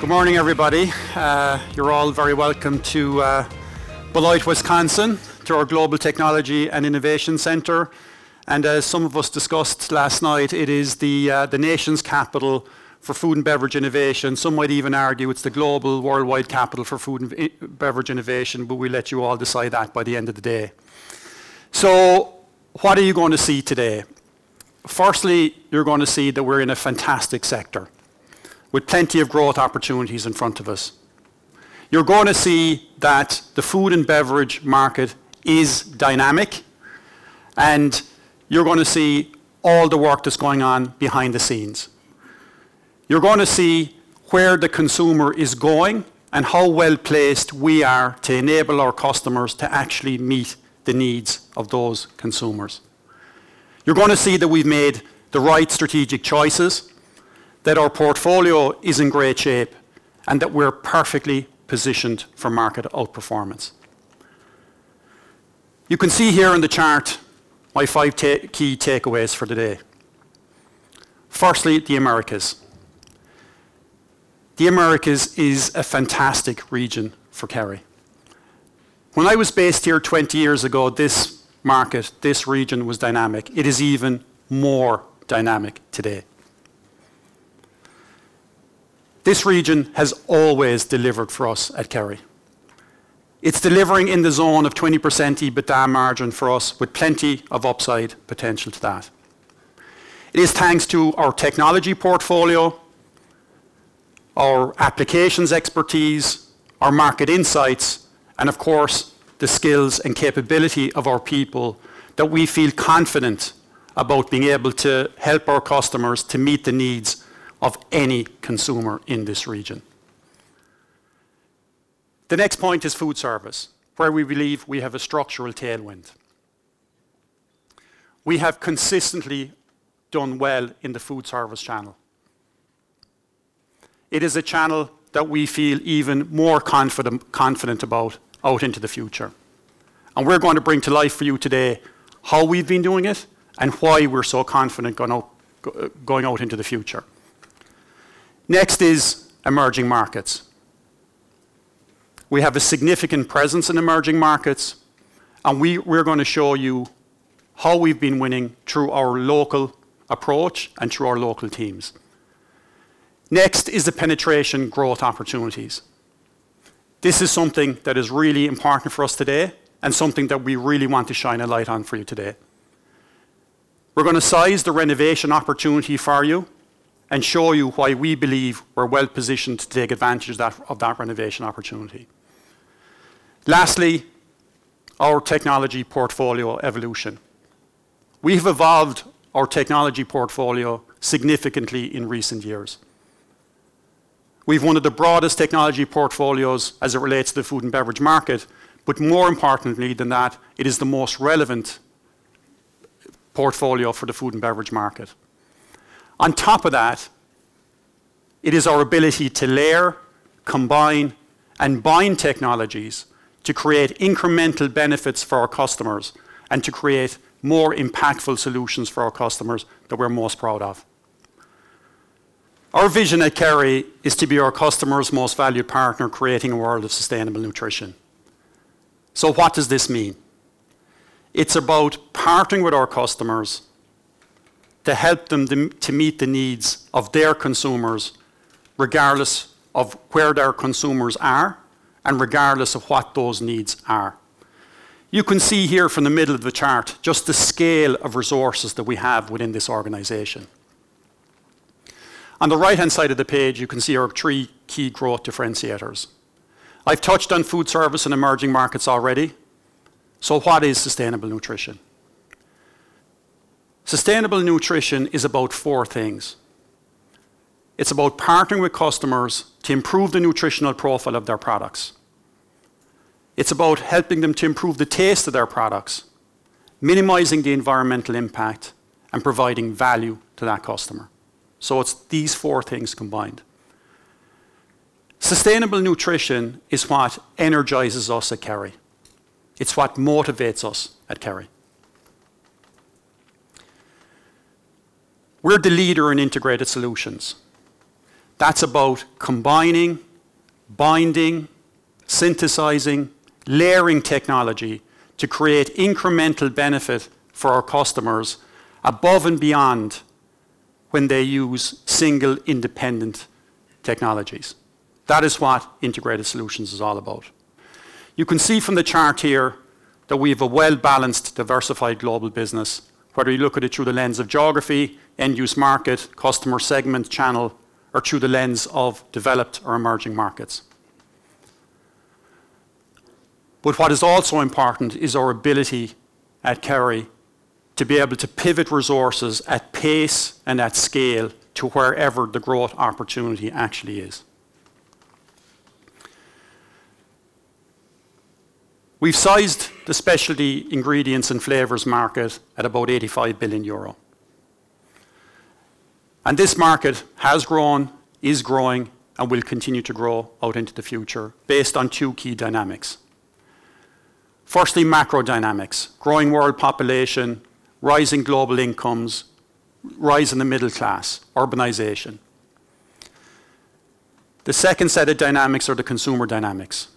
Good morning, everybody. You're all very welcome to Beloit, Wisconsin, to our Global Technology and Innovation Center. As some of us discussed last night, it is the nation's capital for food and beverage innovation. Some would even argue it's the global worldwide capital for food and beverage innovation, but we'll let you all decide that by the end of the day. What are you going to see today? Firstly, you're gonna see that we're in a fantastic sector with plenty of growth opportunities in front of us. You're going to see that the food and beverage market is dynamic, and you're gonna see all the work that's going on behind the scenes. You're gonna see where the consumer is going and how well-placed we are to enable our customers to actually meet the needs of those consumers. You're gonna see that we've made the right strategic choices, that our portfolio is in great shape, and that we're perfectly positioned for market outperformance. You can see here in the chart my five key takeaways for today. Firstly, the Americas. The Americas is a fantastic region for Kerry. When I was based here 20 years ago, this market, this region was dynamic. It is even more dynamic today. This region has always delivered for us at Kerry. It's delivering in the zone of 20% EBITDA margin for us, with plenty of upside potential to that. It is thanks to our technology portfolio, our applications expertise, our market insights, and of course, the skills and capability of our people that we feel confident about being able to help our customers to meet the needs of any consumer in this region. The next point is food service, where we believe we have a structural tailwind. We have consistently done well in the food service channel. It is a channel that we feel even more confident about out into the future. We're going to bring to life for you today how we've been doing it and why we're so confident going out into the future. Next is emerging markets. We have a significant presence in emerging markets, we're gonna show you how we've been winning through our local approach and through our local teams. Next is the penetration growth opportunities. This is something that is really important for us today and something that we really want to shine a light on for you today. We're gonna size the renovation opportunity for you and show you why we believe we're well-positioned to take advantage of that, of that renovation opportunity. Lastly, our technology portfolio evolution. We've evolved our technology portfolio significantly in recent years. We've one of the broadest technology portfolios as it relates to the food and beverage market, but more importantly than that, it is the most relevant portfolio for the food and beverage market. On top of that, it is our ability to layer, combine, and bind technologies to create incremental benefits for our customers and to create more impactful solutions for our customers that we're most proud of. Our vision at Kerry is to be our customers' most valued partner, creating a world of sustainable nutrition. What does this mean? It's about partnering with our customers to help them to meet the needs of their consumers, regardless of where their consumers are and regardless of what those needs are. You can see here from the middle of the chart just the scale of resources that we have within this organization. On the right-hand side of the page, you can see our three key growth differentiators. I've touched on food service and emerging markets already, so what is sustainable nutrition? Sustainable nutrition is about four things. It's about partnering with customers to improve the nutritional profile of their products. It's about helping them to improve the taste of their products, minimizing the environmental impact, and providing value to that customer. It's these four things combined. Sustainable nutrition is what energizes us at Kerry. It's what motivates us at Kerry. We're the leader in integrated solutions. That's about combining, binding, synthesizing, layering technology to create incremental benefit for our customers above and beyond when they use single independent technologies. That is what integrated solutions is all about. You can see from the chart here that we've a well-balanced, diversified global business, whether you look at it through the lens of geography, end-use market, customer segment channel, or through the lens of developed or emerging markets. What is also important is our ability at Kerry to be able to pivot resources at pace and at scale to wherever the growth opportunity actually is. We've sized the specialty ingredients and flavors market at about EUR 85 billion. This market has grown, is growing, and will continue to grow out into the future based on two key dynamics. Firstly, macro dynamics. Growing world population, rising global incomes, rise in the middle class, urbanization. The second set of dynamics are the consumer dynamics.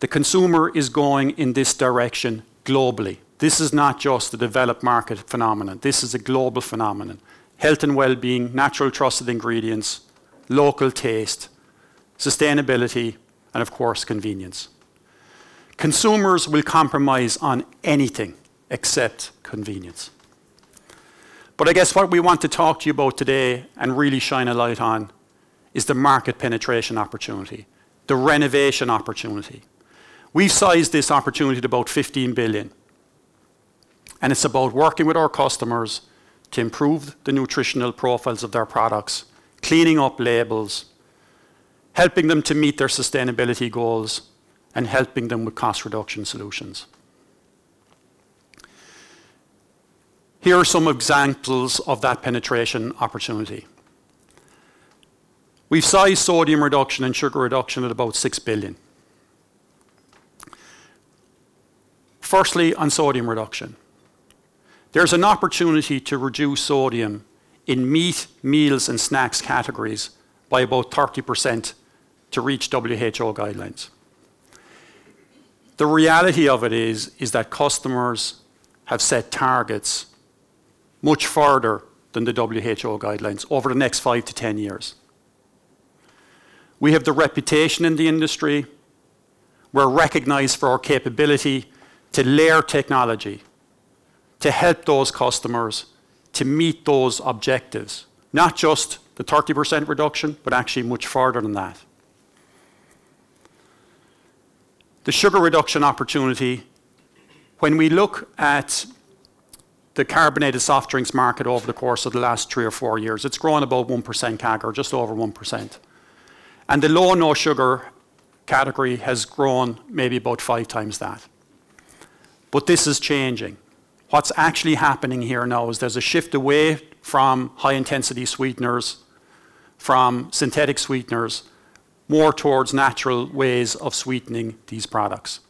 The consumer is going in this direction globally. This is not just a developed market phenomenon. This is a global phenomenon. Health and well-being, natural trusted ingredients, local taste, sustainability, and of course, convenience. Consumers will compromise on anything except convenience. I guess what we want to talk to you about today and really shine a light on is the market penetration opportunity, the renovation opportunity. We've sized this opportunity at about 15 billion, and it's about working with our customers to improve the nutritional profiles of their products, cleaning up labels, helping them to meet their sustainability goals, and helping them with cost reduction solutions. Here are some examples of that penetration opportunity. We've sized sodium reduction and sugar reduction at about 6 billion. On sodium reduction, there's an opportunity to reduce sodium in meat, meals, and snacks categories by about 30% to reach WHO guidelines. The reality of it is that customers have set targets much farther than the WHO guidelines over the next 5-10 years. We have the reputation in the industry. We're recognized for our capability to layer technology, to help those customers to meet those objectives, not just the 30% reduction, but actually much farther than that. The sugar reduction opportunity, when we look at the carbonated soft drinks market over the course of the last three or four years, it's grown about 1% CAGR, just over 1%. The low or no sugar category has grown maybe about 5x that. This is changing. What's actually happening here now is there's a shift away from high-intensity sweeteners, from synthetic sweeteners, more towards natural ways of sweetening these products.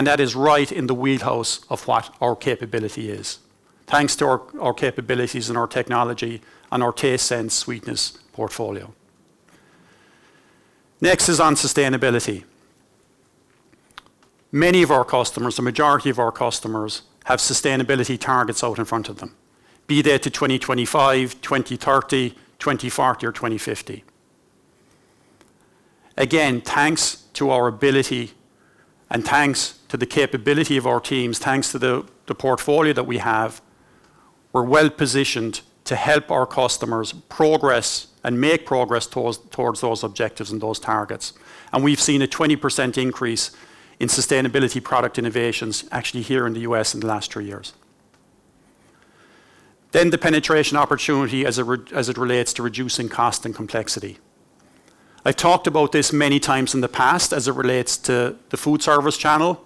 That is right in the wheelhouse of what our capability is, thanks to our capabilities and our technology and our TasteSense sweetness portfolio. Next is on sustainability. Many of our customers, the majority of our customers, have sustainability targets out in front of them, be that to 2025, 2030, 2040, or 2050. Again, thanks to our ability and thanks to the capability of our teams, thanks to the portfolio that we have, we're well-positioned to help our customers progress and make progress towards those objectives and those targets. We've seen a 20% increase in sustainability product innovations actually here in the U.S. in the last three years. The penetration opportunity as it relates to reducing cost and complexity. I talked about this many times in the past as it relates to the food service channel,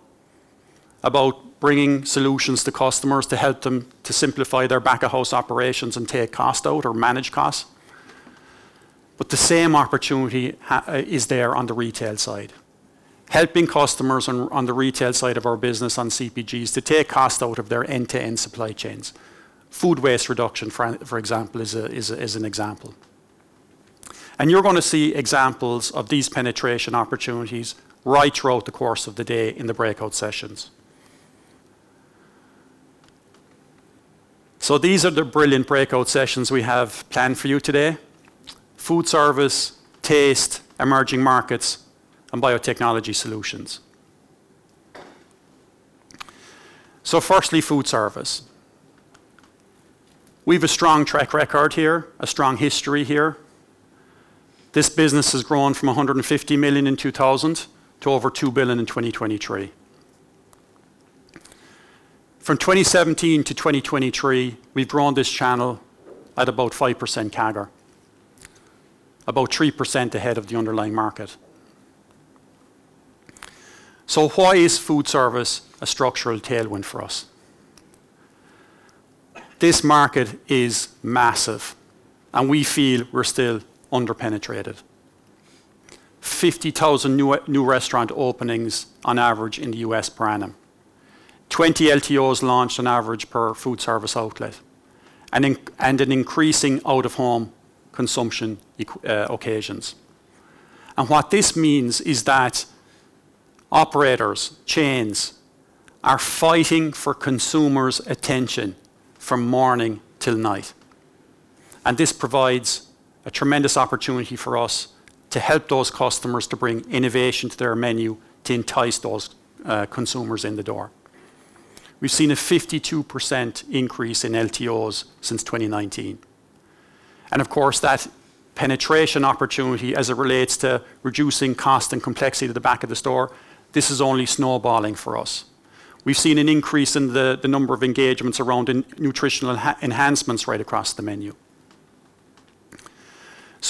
about bringing solutions to customers to help them to simplify their back-of-house operations and take cost out or manage costs. The same opportunity is there on the retail side, helping customers on the retail side of our business on CPGs to take cost out of their end-to-end supply chains. Food waste reduction, for example, is an example. You're going to see examples of these penetration opportunities right throughout the course of the day in the breakout sessions. These are the brilliant breakout sessions we have planned for you today: food service, taste, emerging markets, and biotechnology solutions. Firstly, food service. We've a strong track record here, a strong history here. This business has grown from 150 million in 2000 to over 2 billion in 2023. From 2017 to 2023, we've grown this channel at about 5% CAGR, about 3% ahead of the underlying market. Why is food service a structural tailwind for us? This market is massive, and we feel we're still under-penetrated. 50,000 new restaurant openings on average in the U.S. per annum. 20 LTOs launched on average per food service outlet and an increasing out-of-home consumption occasions. What this means is that operators, chains, are fighting for consumers' attention from morning till night. This provides a tremendous opportunity for us to help those customers to bring innovation to their menu to entice those consumers in the door. We've seen a 52% increase in LTOs since 2019. Of course, that penetration opportunity as it relates to reducing cost and complexity to the back of the store, this is only snowballing for us. We've seen an increase in the number of engagements around nutritional enhancements right across the menu.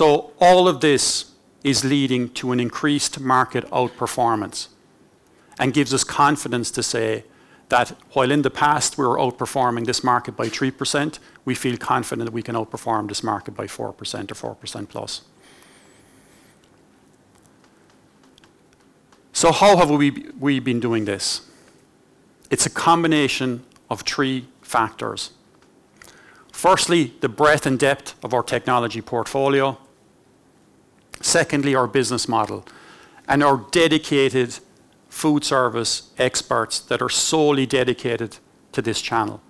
All of this is leading to an increased market outperformance and gives us confidence to say that while in the past we were outperforming this market by 3%, we feel confident that we can outperform this market by 4% or 4% plus. How have we been doing this? It's a combination of three factors: firstly, the breadth and depth of our technology portfolio; secondly, our business model and our dedicated food service experts that are solely dedicated to this channel;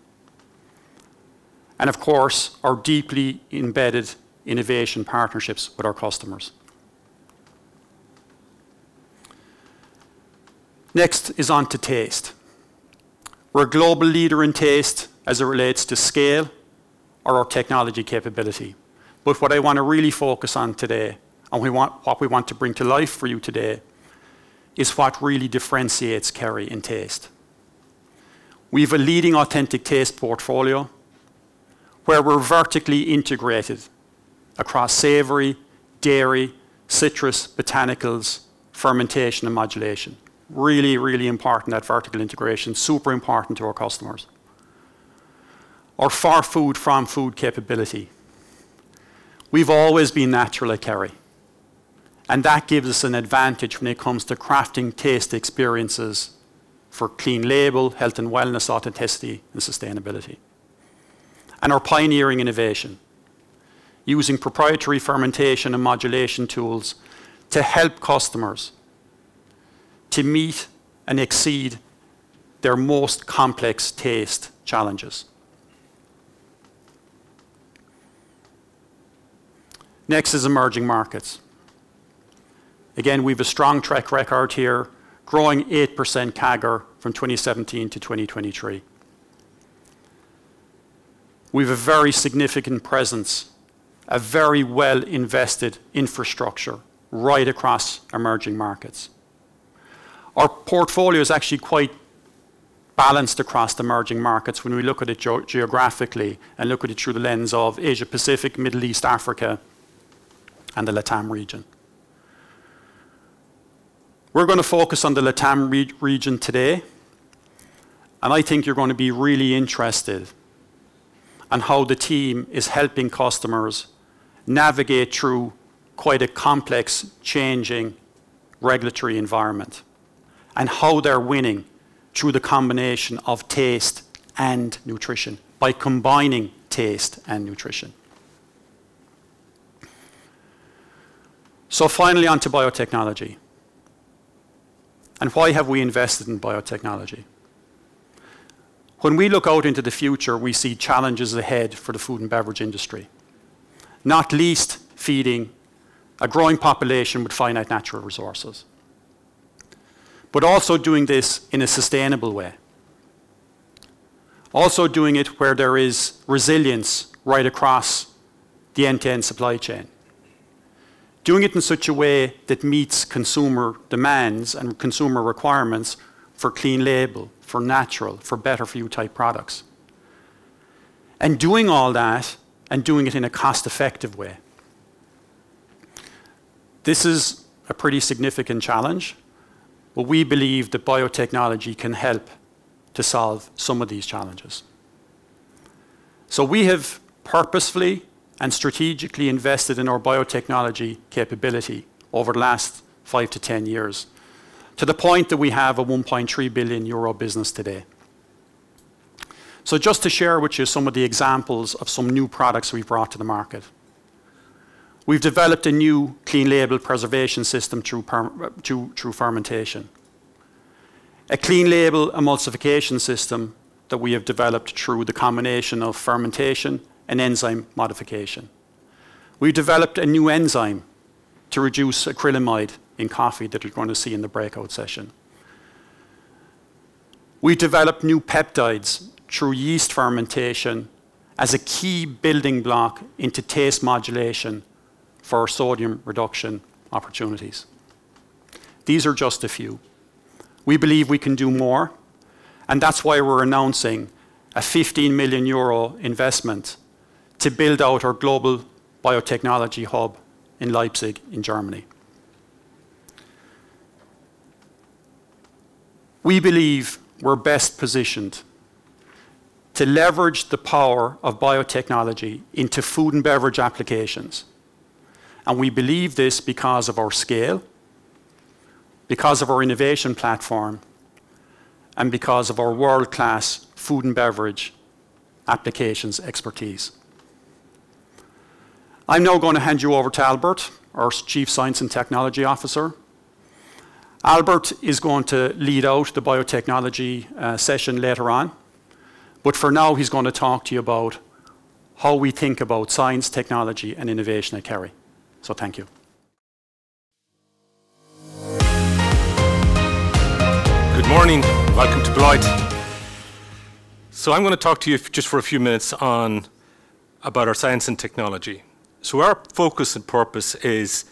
and of course, our deeply embedded innovation partnerships with our customers. Next is on to taste. We're a global leader in taste as it relates to scale or technology capability. What I want to really focus on today, and what we want to bring to life for you today, is what really differentiates Kerry in taste. We've a leading authentic taste portfolio where we're vertically integrated across savory, dairy, citrus, botanicals, fermentation, and modulation. Really, really important, that vertical integration. Super important to our customers. Our farm food capability. We've always been natural at Kerry, that gives us an advantage when it comes to crafting taste experiences for clean label, health and wellness, authenticity, and sustainability. Our pioneering innovation, using proprietary fermentation and modulation tools to help customers to meet and exceed their most complex taste challenges. Next is emerging markets. Again, we've a strong track record here, growing 8% CAGR from 2017 to 2023. We've a very significant presence, a very well-invested infrastructure right across emerging markets. Our portfolio is actually quite balanced across the emerging markets when we look at it geographically and look at it through the lens of Asia-Pacific, Middle East, Africa, and the LATAM region. We're gonna focus on the LATAM region today. I think you're gonna be really interested on how the team is helping customers navigate through quite a complex, changing regulatory environment and how they're winning through the combination of taste and nutrition, by combining taste and nutrition. Finally, on to biotechnology. Why have we invested in biotechnology? When we look out into the future, we see challenges ahead for the food and beverage industry, not least feeding a growing population with finite natural resources. Also doing this in a sustainable way. Also doing it where there is resilience right across the end-to-end supply chain. Doing it in such a way that meets consumer demands and consumer requirements for clean label, for natural, for better-for-you type products. Doing all that and doing it in a cost-effective way. This is a pretty significant challenge, but we believe that biotechnology can help to solve some of these challenges. We have purposefully and strategically invested in our biotechnology capability over the last 5-10 years, to the point that we have a 1.3 billion euro business today. Just to share with you some of the examples of some new products we've brought to the market. We've developed a new clean label preservation system through fermentation. A clean label emulsification system that we have developed through the combination of fermentation and enzyme modification. We developed a new enzyme to reduce acrylamide in coffee that we're gonna see in the breakout session. We developed new peptides through yeast fermentation as a key building block into taste modulation for our sodium reduction opportunities. These are just a few. We believe we can do more, and that's why we're announcing a 15 million euro investment to build out our global biotechnology hub in Leipzig in Germany. We believe we're best positioned to leverage the power of biotechnology into food and beverage applications, and we believe this because of our scale, because of our innovation platform, and because of our world-class food and beverage applications expertise. I'm now gonna hand you over to Albert, our Chief Science and Technology Officer. Albert is going to lead out the biotechnology session later on, but for now, he's gonna talk to you about how we think about science, technology, and innovation at Kerry. Thank you. Good morning. Welcome to Beloit. I'm going to talk to you just for a few minutes about our science and technology. Our focus and purpose is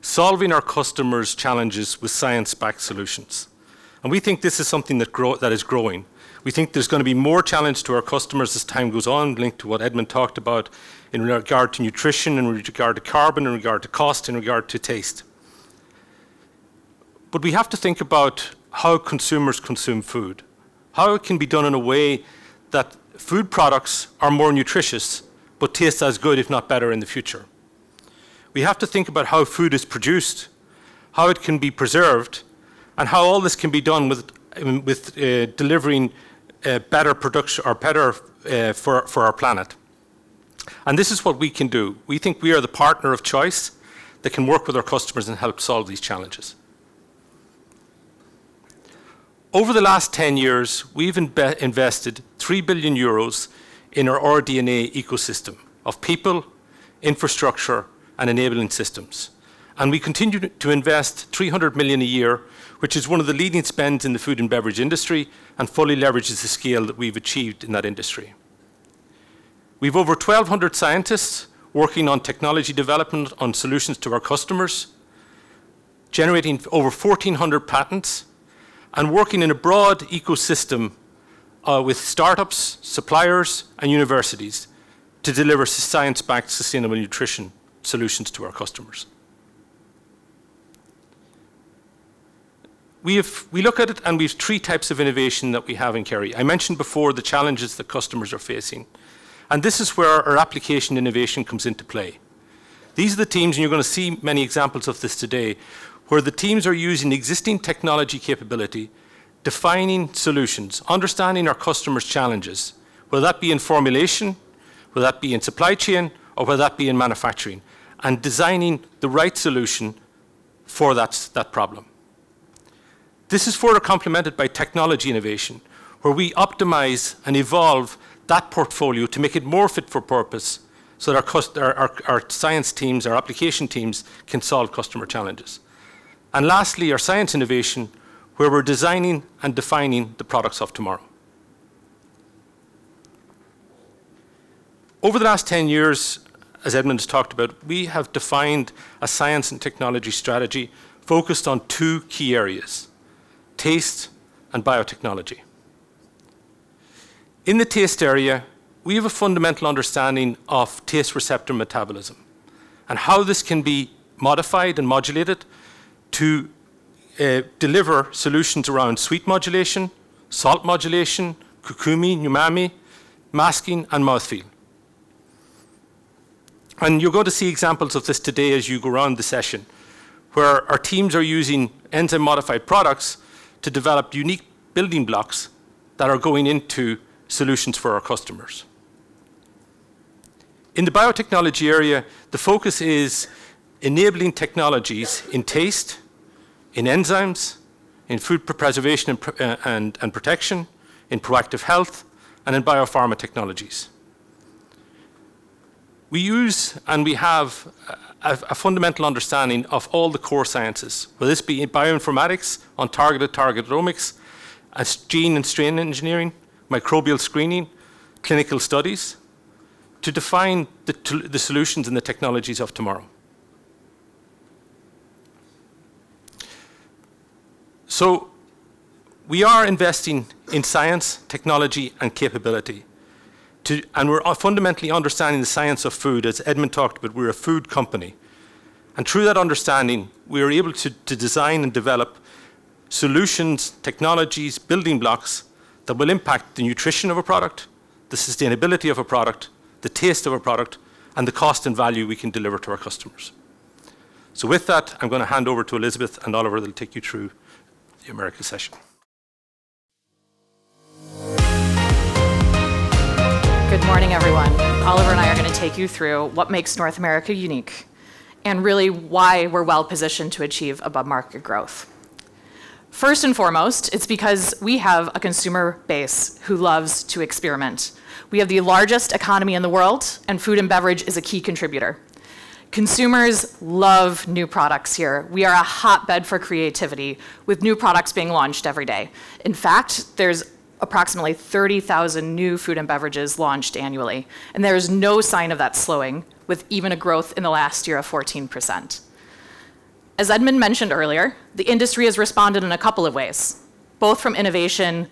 solving our customers' challenges with science-backed solutions, and we think this is something that is growing. We think there's going to be more challenge to our customers as time goes on, linked to what Edmond talked about in regard to nutrition, in regard to carbon, in regard to cost, in regard to taste. We have to think about how consumers consume food, how it can be done in a way that food products are more nutritious, but taste as good if not better in the future. We have to think about how food is produced, how it can be preserved, and how all this can be done with delivering a better production or better for our planet. This is what we can do. We think we are the partner of choice that can work with our customers and help solve these challenges. Over the last 10 years, we've invested 3 billion euros in our RD&A ecosystem of people, infrastructure, and enabling systems. We continue to invest 300 million a year, which is one of the leading spends in the food and beverage industry and fully leverages the scale that we've achieved in that industry. We've over 1,200 scientists working on technology development on solutions to our customers, generating over 1,400 patents and working in a broad ecosystem with startups, suppliers, and universities to deliver science-backed sustainable nutrition solutions to our customers. We have. We look at it, and we've three types of innovation that we have in Kerry. I mentioned before the challenges that customers are facing, and this is where our application innovation comes into play. These are the teams, and you're gonna see many examples of this today, where the teams are using existing technology capability, defining solutions, understanding our customers' challenges, whether that be in formulation, whether that be in supply chain, or whether that be in manufacturing, and designing the right solution for that problem. This is further complemented by technology innovation, where we optimize and evolve that portfolio to make it more fit for purpose so that our science teams, our application teams can solve customer challenges. Lastly, our science innovation, where we're designing and defining the products of tomorrow. Over the last 10 years, as Edmond's talked about, we have defined a science and technology strategy focused on two key areas, taste and biotechnology. In the taste area, we have a fundamental understanding of taste receptor metabolism and how this can be modified and modulated to deliver solutions around sweet modulation, salt modulation, kokumi, umami, masking, and mouthfeel. You're going to see examples of this today as you go around the session, where our teams are using enzyme-modified products to develop unique building blocks that are going into solutions for our customers. In the biotechnology area, the focus is enabling technologies in taste, in enzymes, in food preservation and protection, in proactive health, and in biopharma technologies. We use and we have a fundamental understanding of all the core sciences, whether this be in bioinformatics on targeted proteomics, as gene and strain engineering, microbial screening, clinical studies, to define the solutions and the technologies of tomorrow. We are investing in science, technology, and capability, and we're fundamentally understanding the science of food, as Edmond talked, but we're a food company. Through that understanding, we are able to design and develop solutions, technologies, building blocks that will impact the nutrition of a product, the sustainability of a product, the taste of a product, and the cost and value we can deliver to our customers. With that, I'm gonna hand over to Elizabeth and Oliver, that'll take you through the Americas session. Good morning, everyone. Oliver and I are gonna take you through what makes North America unique and really why we're well-positioned to achieve above-market growth. First and foremost, it's because we have a consumer base who loves to experiment. We have the largest economy in the world, and food and beverage is a key contributor. Consumers love new products here. We are a hotbed for creativity, with new products being launched every day. In fact, there's approximately 30,000 new food and beverages launched annually, and there is no sign of that slowing, with even a growth in the last year of 14%. As Edmond mentioned earlier, the industry has responded in a couple of ways, both from innovation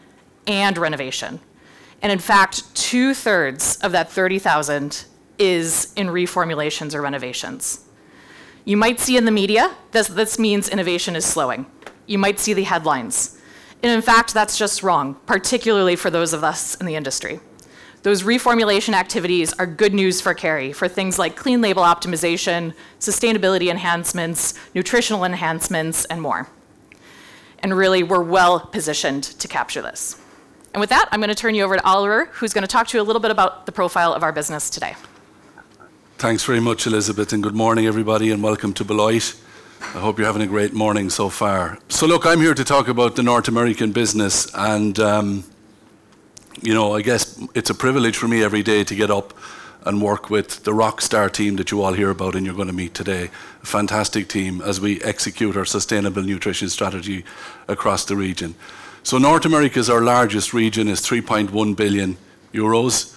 and renovation. In fact, two-thirds of that 30,000 is in reformulations or renovations. You might see in the media this means innovation is slowing. You might see the headlines. In fact, that's just wrong, particularly for those of us in the industry. Those reformulation activities are good news for Kerry for things like clean label optimization, sustainability enhancements, nutritional enhancements, and more. Really, we're well-positioned to capture this. With that, I'm gonna turn you over to Oliver, who's gonna talk to you a little bit about the profile of our business today. Thanks very much, Elizabeth, and good morning, everybody, and welcome to Beloit. I hope you're having a great morning so far. Look, I'm here to talk about the North American business, and, you know, I guess it's a privilege for me every day to get up and work with the rockstar team that you all hear about and you're gonna meet today. Fantastic team as we execute our sustainable nutrition strategy across the region. North America is our largest region. It's 3.1 billion euros.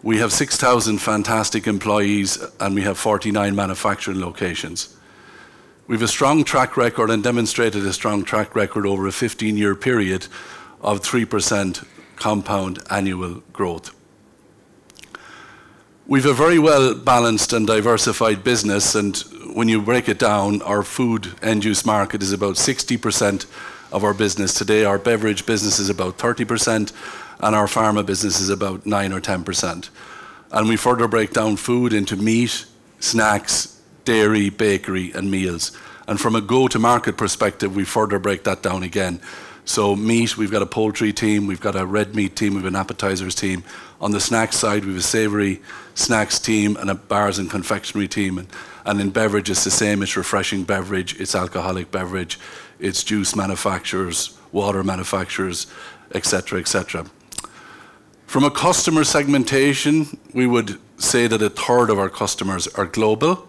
We have 6,000 fantastic employees, and we have 49 manufacturing locations. We've demonstrated a strong track record over a 15-year period of 3% compound annual growth. We've a very well-balanced and diversified business, and when you break it down, our food end-use market is about 60% of our business today. Our beverage business is about 30%, and our pharma business is about 9% or 10%. We further break down food into meat, snacks, dairy, bakery, and meals. From a go-to-market perspective, we further break that down again. Meat, we've got a poultry team, we've got a red meat team, we've an appetizers team. On the snacks side, we've a savory snacks team and a bars and confectionery team. In beverage, it's the same. It's refreshing beverage, it's alcoholic beverage, it's juice manufacturers, water manufacturers, et cetera, et cetera. From a customer segmentation, we would say that a third of our customers are global,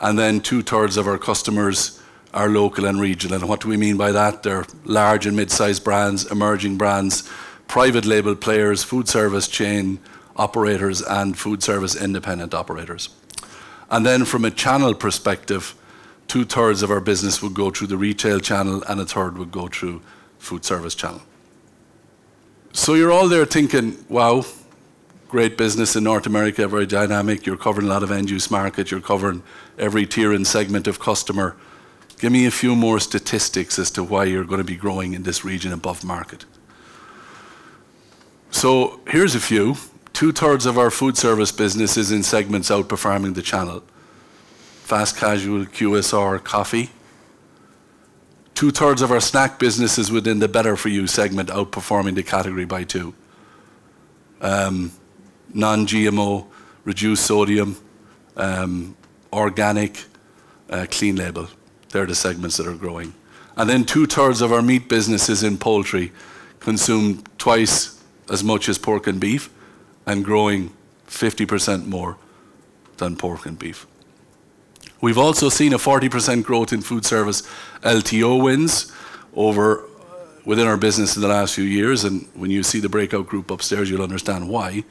and then two-thirds of our customers are local and regional. What do we mean by that? They're large and mid-sized brands, emerging brands, private label players, food service chain operators, and food service independent operators. From a channel perspective, 2/3 of our business would go through the retail channel, and 1/3 would go through food service channel. You're all there thinking, "Wow, great business in North America, very dynamic. You're covering a lot of end-use market. You're covering every tier and segment of customer. Give me a few more statistics as to why you're gonna be growing in this region above market." Here's a few. 2/3 of our food service business is in segments outperforming the channel: fast casual, QSR, coffee. 2/3 of our snack business is within the better-for-you segment, outperforming the category by two. non-GMO, reduced sodium, organic, clean label. They're the segments that are growing. 2/3 of our meat business is in poultry, consume twice as much as pork and beef and growing 50% more than pork and beef. We've also seen a 40% growth in food service LTO wins over within our business in the last few years, and when you see the breakout group upstairs, you'll understand why.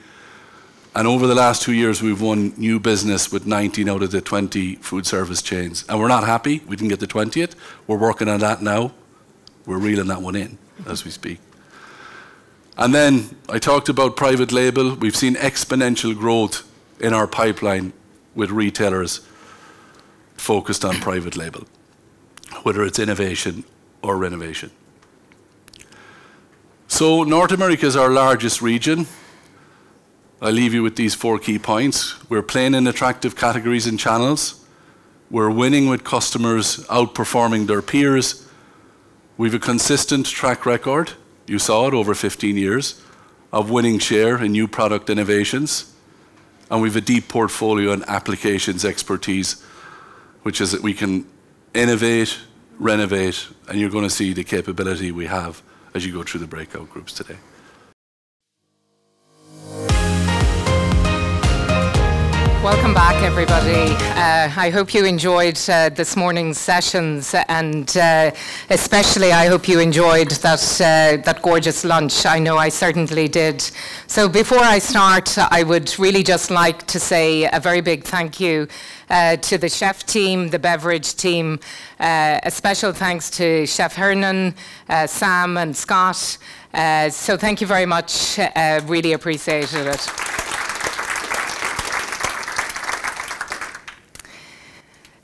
Over the last two years, we've won new business with 19 out of the 20 food service chains, and we're not happy we didn't get the 20th. We're working on that now. We're reeling that one in as we speak. Then I talked about private label. We've seen exponential growth in our pipeline with retailers focused on private label, whether it's innovation or renovation. North America's our largest region. I'll leave you with these four key points. We're playing in attractive categories and channels. We're winning with customers outperforming their peers. We've a consistent track record, you saw it, over 15 years of winning share and new product innovations. We've a deep portfolio and applications expertise, which is that we can innovate, renovate, and you're gonna see the capability we have as you go through the breakout groups today. Welcome back, everybody. I hope you enjoyed this morning's sessions, and especially I hope you enjoyed that gorgeous lunch. I know I certainly did. Before I start, I would really just like to say a very big thank you to the chef team, the beverage team, a special thanks to Chef Hernan, Sam, and Scott. Thank you very much. Really appreciated it.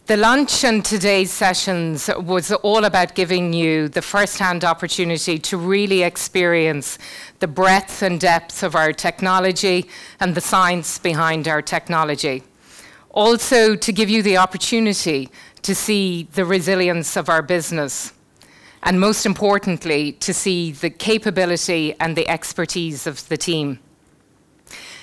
The lunch and today's sessions was all about giving you the first-hand opportunity to really experience the breadth and depth of our technology and the science behind our technology. Also, to give you the opportunity to see the resilience of our business, and most importantly, to see the capability and the expertise of the team.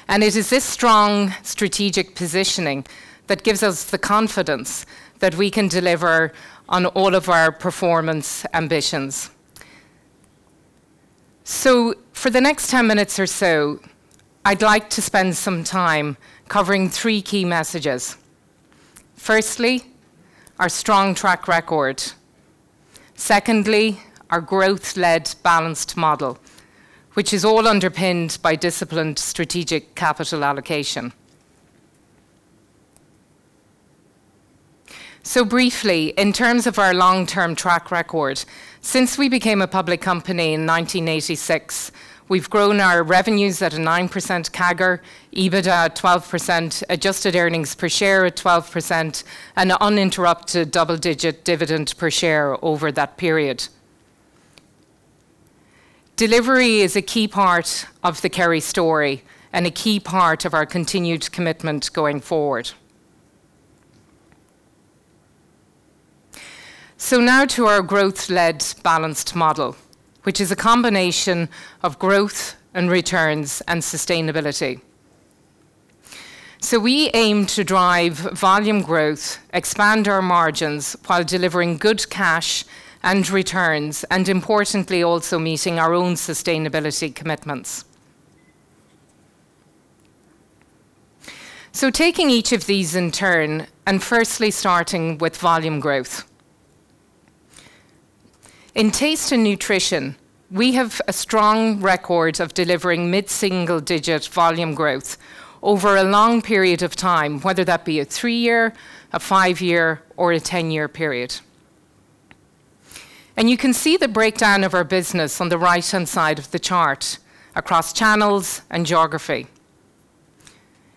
It is this strong strategic positioning that gives us the confidence that we can deliver on all of our performance ambitions. For the next 10 minutes or so, I'd like to spend some time covering three key messages. Firstly, our strong track record. Secondly, our growth-led balanced model, which is all underpinned by disciplined strategic capital allocation. Briefly, in terms of our long-term track record, since we became a public company in 1986, we've grown our revenues at a 9% CAGR, EBITDA at 12%, adjusted earnings per share at 12%, and uninterrupted double-digit dividend per share over that period. Delivery is a key part of the Kerry story and a key part of our continued commitment going forward. Now to our growth-led balanced model, which is a combination of growth and returns and sustainability. We aim to drive volume growth, expand our margins while delivering good cash and returns, and importantly, also meeting our own sustainability commitments. Taking each of these in turn, and firstly starting with volume growth. In Taste & Nutrition, we have a strong record of delivering mid-single-digit volume growth over a long period of time, whether that be a 3-year, a 5-year, or a 10-year period. You can see the breakdown of our business on the right-hand side of the chart across channels and geography.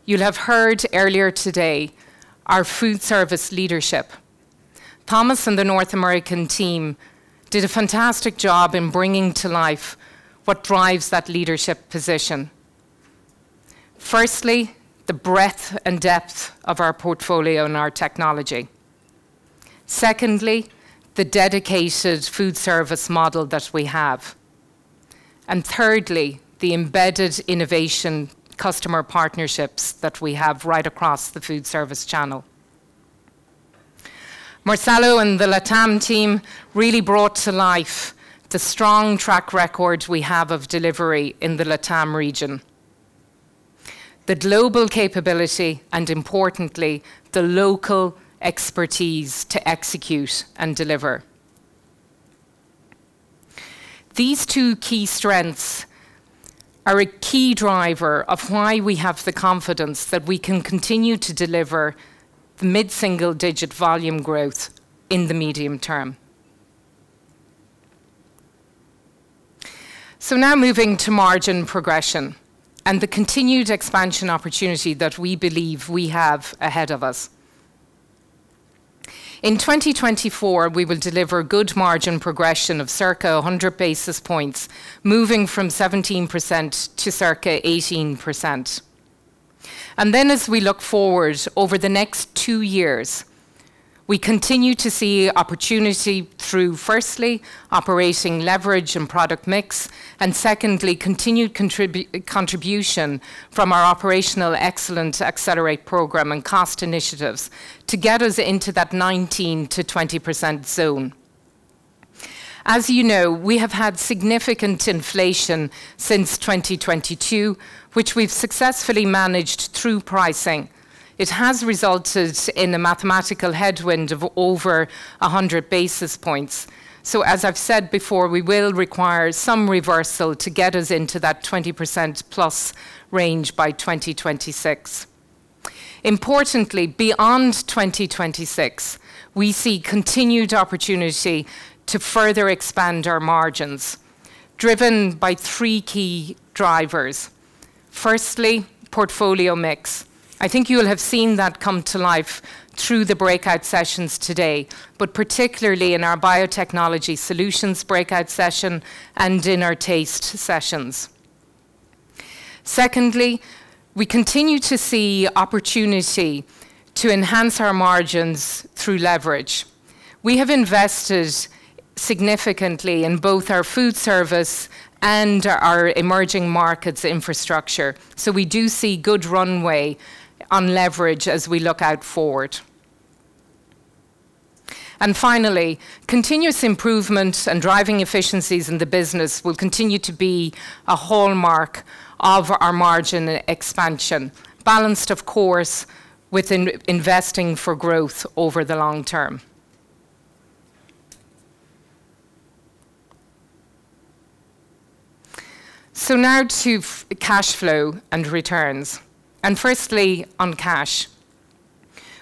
You'll have heard earlier today our food service leadership. Thomas and the North American team did a fantastic job in bringing to life what drives that leadership position. Firstly, the breadth and depth of our portfolio and our technology. Secondly, the dedicated food service model that we have. Thirdly, the embedded innovation customer partnerships that we have right across the food service channel. Marcelo and the LATAM team really brought to life the strong track record we have of delivery in the LATAM region, the global capability, and importantly, the local expertise to execute and deliver. These two key strengths are a key driver of why we have the confidence that we can continue to deliver mid-single-digit volume growth in the medium term. Now moving to margin progression and the continued expansion opportunity that we believe we have ahead of us. In 2024, we will deliver good margin progression of circa 100 basis points, moving from 17% to circa 18%. As we look forward over the next two years, we continue to see opportunity through, firstly, operating leverage and product mix and secondly, continued contribution from our operational excellence Accelerate program and cost initiatives to get us into that 19%-20% zone. As you know, we have had significant inflation since 2022, which we've successfully managed through pricing. It has resulted in a mathematical headwind of over 100 basis points. As I've said before, we will require some reversal to get us into that 20%+ range by 2026. Importantly, beyond 2026, we see continued opportunity to further expand our margins, driven by three key drivers. Firstly, portfolio mix. I think you'll have seen that come to life through the breakout sessions today, but particularly in our biotechnology solutions breakout session and in our taste sessions. Secondly, we continue to see opportunity to enhance our margins through leverage. We have invested significantly in both our food service and our emerging markets infrastructure, so we do see good runway on leverage as we look forward. Finally, continuous improvement and driving efficiencies in the business will continue to be a hallmark of our margin expansion, balanced, of course, with investing for growth over the long term. Now to free cash flow and returns. Firstly, on cash.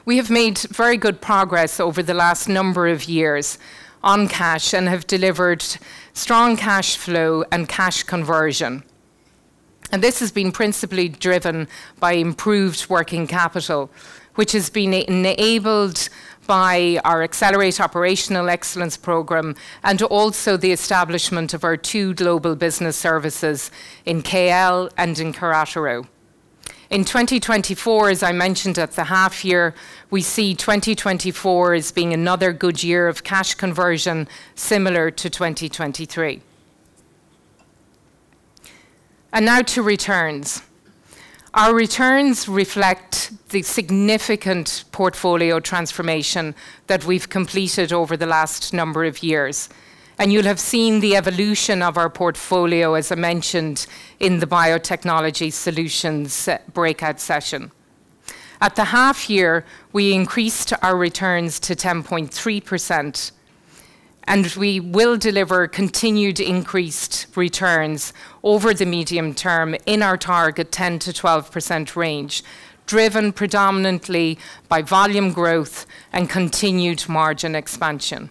We have made very good progress over the last number of years on cash and have delivered strong cash flow and cash conversion. This has been principally driven by improved working capital, which has been enabled by our Accelerate program and also the establishment of our two Global Business Services in KL and in Querétaro. In 2024, as I mentioned at the half year, we see 2024 as being another good year of cash conversion similar to 2023. Now to returns. Our returns reflect the significant portfolio transformation that we've completed over the last number of years, and you'll have seen the evolution of our portfolio, as I mentioned, in the biotechnology solutions separate breakout session. At the half year, we increased our returns to 10.3%, and we will deliver continued increased returns over the medium term in our target 10%-12% range, driven predominantly by volume growth and continued margin expansion.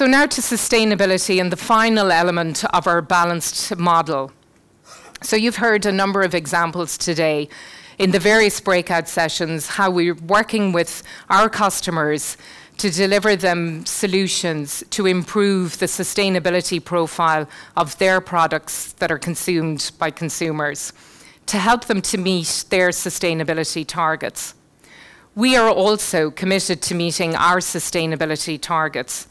Now to sustainability and the final element of our balanced model. You've heard a number of examples today in the various breakout sessions, how we're working with our customers to deliver them solutions to improve the sustainability profile of their products that are consumed by consumers to help them to meet their sustainability targets. We are also committed to meeting our sustainability targets.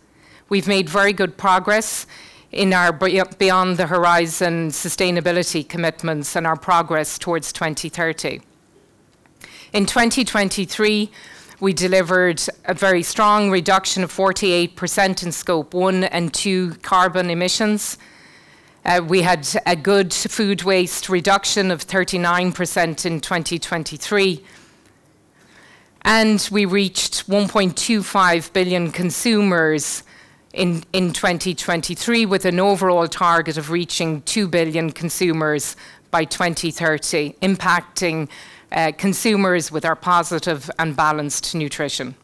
We've made very good progress in our Beyond the Horizon sustainability commitments and our progress towards 2030. In 2023, we delivered a very strong reduction of 48% in Scope 1 and 2 carbon emissions. We had a good food waste reduction of 39% in 2023. We reached 1.25 billion consumers in 2023, with an overall target of reaching 2 billion consumers by 2030, impacting consumers with our positive and balanced nutrition.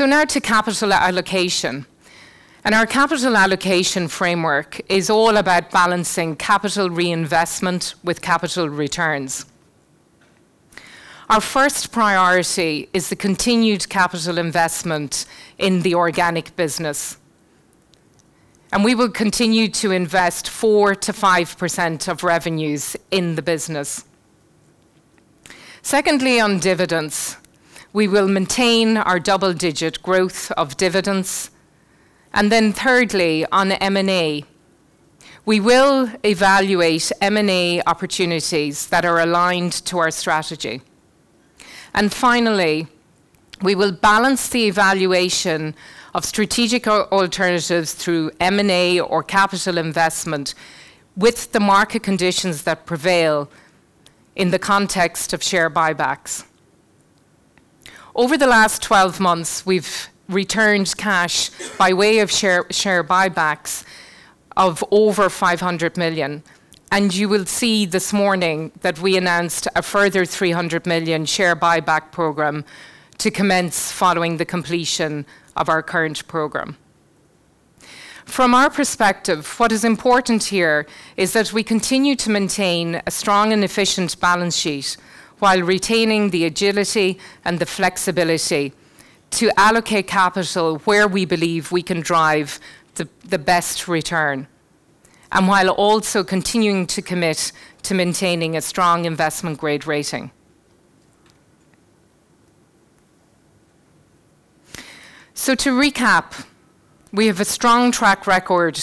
Now to capital allocation. Our capital allocation framework is all about balancing capital reinvestment with capital returns. Our first priority is the continued capital investment in the organic business, and we will continue to invest 4%-5% of revenues in the business. Secondly, on dividends, we will maintain our double-digit growth of dividends. Thirdly, on M&A, we will evaluate M&A opportunities that are aligned to our strategy. Finally, we will balance the evaluation of strategic alternatives through M&A or capital investment with the market conditions that prevail in the context of share buybacks. Over the last 12 months, we've returned cash by way of share buybacks of over 500 million, and you will see this morning that we announced a further 300 million share buyback program to commence following the completion of our current program. From our perspective, what is important here is that we continue to maintain a strong and efficient balance sheet while retaining the agility and the flexibility to allocate capital where we believe we can drive the best return, and while also continuing to commit to maintaining a strong investment grade rating. To recap, we have a strong track record.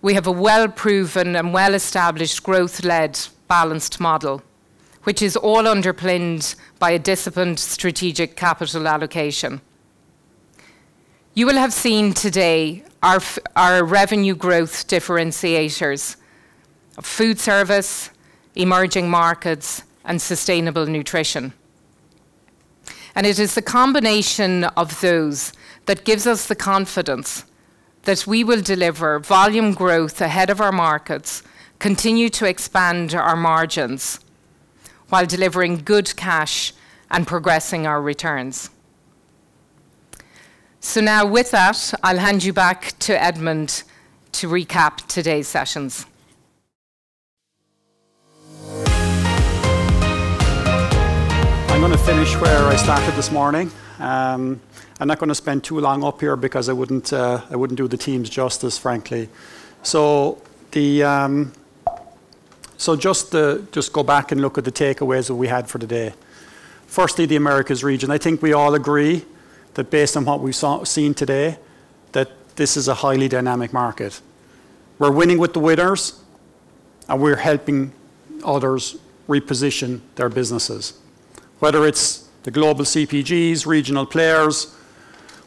We have a well-proven and well-established growth-led balanced model, which is all underpinned by a disciplined strategic capital allocation. You will have seen today our revenue growth differentiators of food service, emerging markets, and sustainable nutrition. It is the combination of those that gives us the confidence that we will deliver volume growth ahead of our markets, continue to expand our margins while delivering good cash and progressing our returns. Now with that, I'll hand you back to Edmond to recap today's sessions. I'm gonna finish where I started this morning. I'm not gonna spend too long up here because I wouldn't do the teams justice, frankly. Just go back and look at the takeaways that we had for today. Firstly, the Americas region. I think we all agree that based on what we've seen today, that this is a highly dynamic market. We're winning with the winners, and we're helping others reposition their businesses. Whether it's the global CPGs, regional players,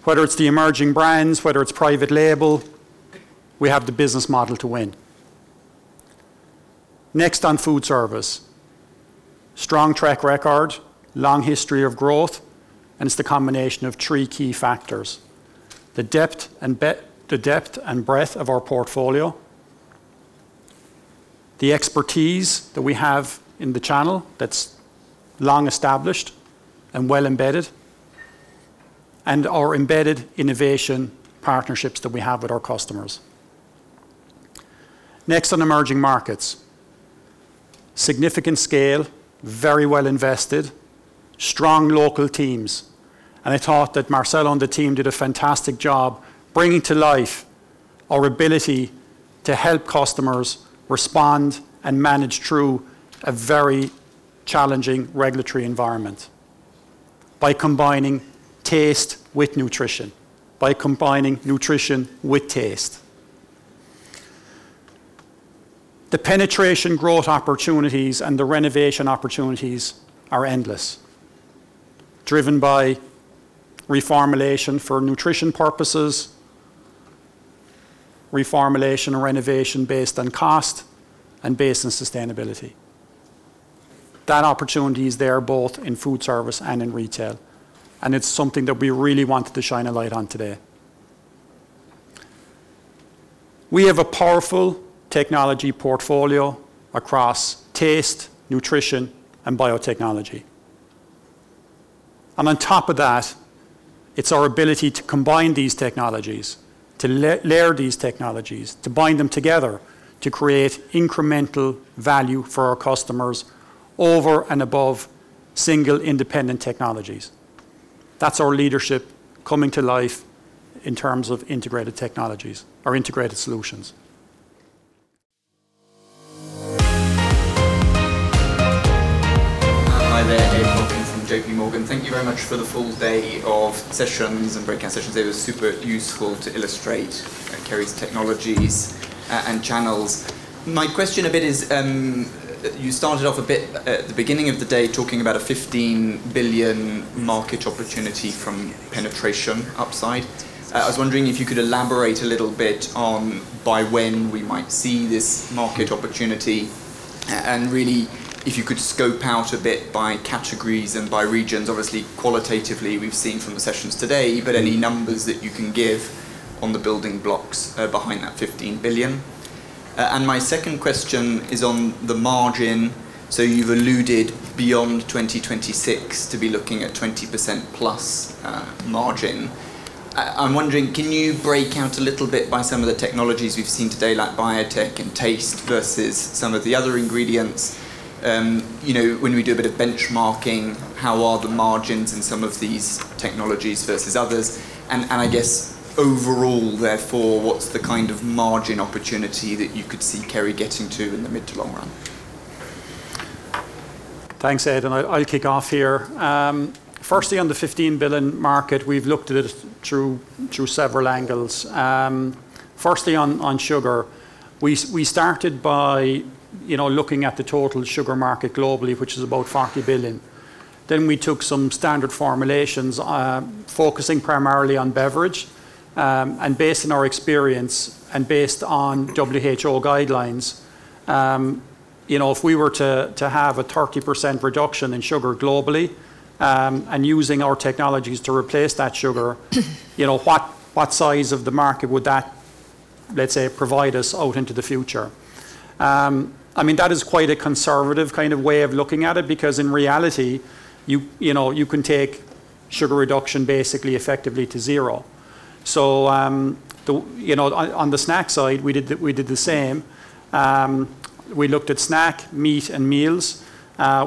whether it's the emerging brands, whether it's private label, we have the business model to win. Next, on food service. Strong track record, long history of growth, and it's the combination of three key factors, the depth and breadth of our portfolio, the expertise that we have in the channel that's long established and well embedded, and our embedded innovation partnerships that we have with our customers. Next, on emerging markets. Significant scale, very well invested, strong local teams, and I thought that Marcel and the team did a fantastic job bringing to life our ability to help customers respond and manage through a very challenging regulatory environment by combining taste with nutrition, by combining nutrition with taste. The penetration growth opportunities and the renovation opportunities are endless, driven by reformulation for nutrition purposes, reformulation or renovation based on cost and based on sustainability. That opportunity is there both in food service and in retail, and it's something that we really wanted to shine a light on today. We have a powerful technology portfolio across taste, nutrition, and biotechnology. On top of that, it's our ability to combine these technologies, to layer these technologies, to bind them together to create incremental value for our customers over and above single independent technologies. That's our leadership coming to life in terms of integrated technologies or integrated solutions. Hi there. Ed Hockin from JPMorgan. Thank you very much for the full day of sessions and breakout sessions. It was super useful to illustrate Kerry's technologies and channels. My question a bit is, you started off a bit at the beginning of the day talking about a 15 billion market opportunity from penetration upside. I was wondering if you could elaborate a little bit on by when we might see this market opportunity and really if you could scope out a bit by categories and by regions. Obviously, qualitatively, we've seen from the sessions today, but any numbers that you can give on the building blocks behind that 15 billion? My second question is on the margin. You've alluded beyond 2026 to be looking at 20% plus margin. I'm wondering, can you break out a little bit by some of the technologies we've seen today like biotech and taste versus some of the other ingredients? You know, when we do a bit of benchmarking, how are the margins in some of these technologies versus others? I guess overall, therefore, what's the kind of margin opportunity that you could see Kerry getting to in the mid to long run? Thanks, Ed, and I'll kick off here. Firstly, on the 15 billion market, we've looked at it through several angles. Firstly, on sugar, we started by, you know, looking at the total sugar market globally, which is about 40 billion. We took some standard formulations, focusing primarily on beverage. Based on our experience and based on WHO guidelines, you know, if we were to have a 30% reduction in sugar globally, and using our technologies to replace that sugar, you know, what size of the market would that, let's say, provide us out into the future? I mean, that is quite a conservative kind of way of looking at it because in reality, you know, you can take sugar reduction basically effectively to zero. You know, on the snack side, we did the same. We looked at snack, meat, and meals.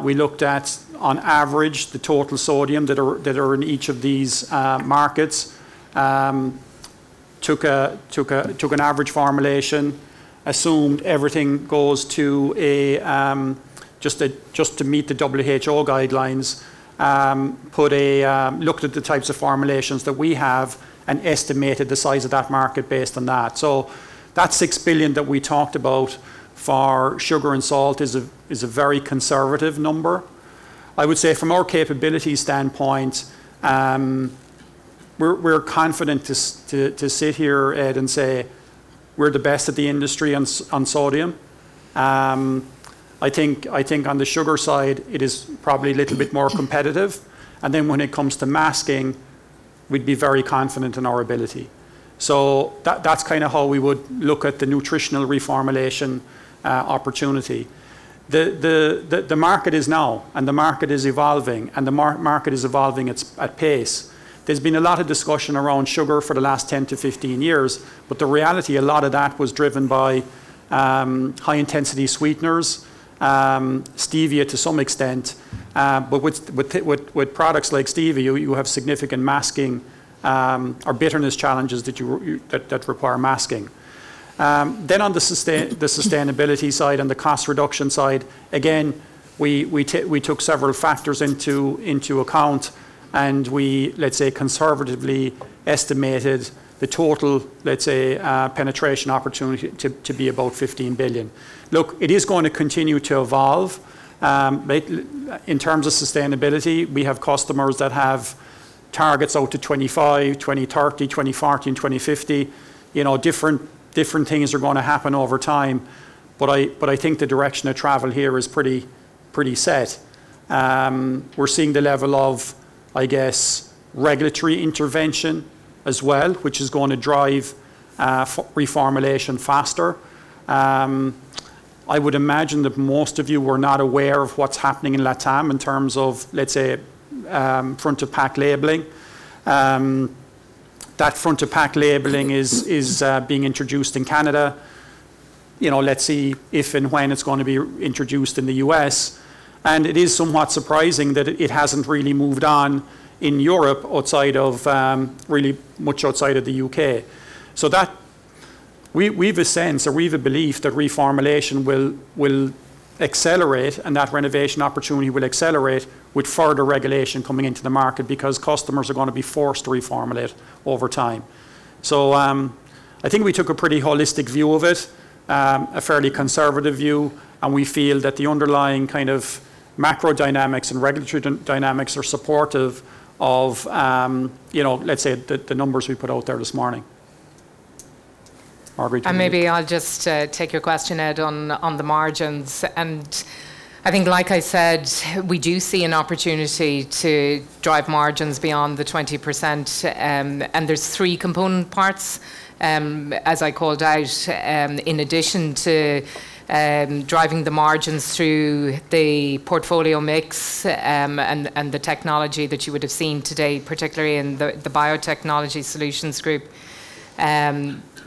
We looked at on average the total sodium that are in each of these markets, took an average formulation, assumed everything goes to just to meet the WHO guidelines, looked at the types of formulations that we have and estimated the size of that market based on that. That 6 billion that we talked about for sugar and salt is a very conservative number. I would say from our capability standpoint, we're confident to sit here, Ed, and say we're the best in the industry on sodium. I think on the sugar side, it is probably a little bit more competitive. Then when it comes to masking, we'd be very confident in our ability. That's kind of how we would look at the nutritional reformulation opportunity. The market is now, and the market is evolving, and the market is evolving at pace. There's been a lot of discussion around sugar for the last 10-15 years, but the reality, a lot of that was driven by high-intensity sweeteners, stevia to some extent. With products like stevia, you have significant masking or bitterness challenges that require masking. On the sustainability side and the cost reduction side, again, we took several factors into account, and we, let's say, conservatively estimated the total, let's say, penetration opportunity to be about 15 billion. Look, it is going to continue to evolve. In terms of sustainability, we have customers that have targets out to 2025, 2030, 2040, and 2050. You know, different things are gonna happen over time. I think the direction of travel here is pretty set. We're seeing the level of, I guess, regulatory intervention as well, which is gonna drive reformulation faster. I would imagine that most of you were not aware of what's happening in LATAM in terms of, let's say, front-of-pack labeling. That front-of-pack labeling is being introduced in Canada. You know, let's see if and when it's gonna be introduced in the U.S. It is somewhat surprising that it hasn't really moved on in Europe outside of really much outside of the U.K. We have a sense or we have a belief that reformulation will accelerate and that innovation opportunity will accelerate with further regulation coming into the market because customers are gonna be forced to reformulate over time. I think we took a pretty holistic view of it, a fairly conservative view, and we feel that the underlying kind of macro dynamics and regulatory dynamics are supportive of, you know, let's say, the numbers we put out there this morning. Marguerite, do you Maybe I'll just take your question, Ed, on the margins. I think, like I said, we do see an opportunity to drive margins beyond the 20%. There's three component parts, as I called out, in addition to driving the margins through the portfolio mix, and the technology that you would have seen today, particularly in the biotechnology solutions group.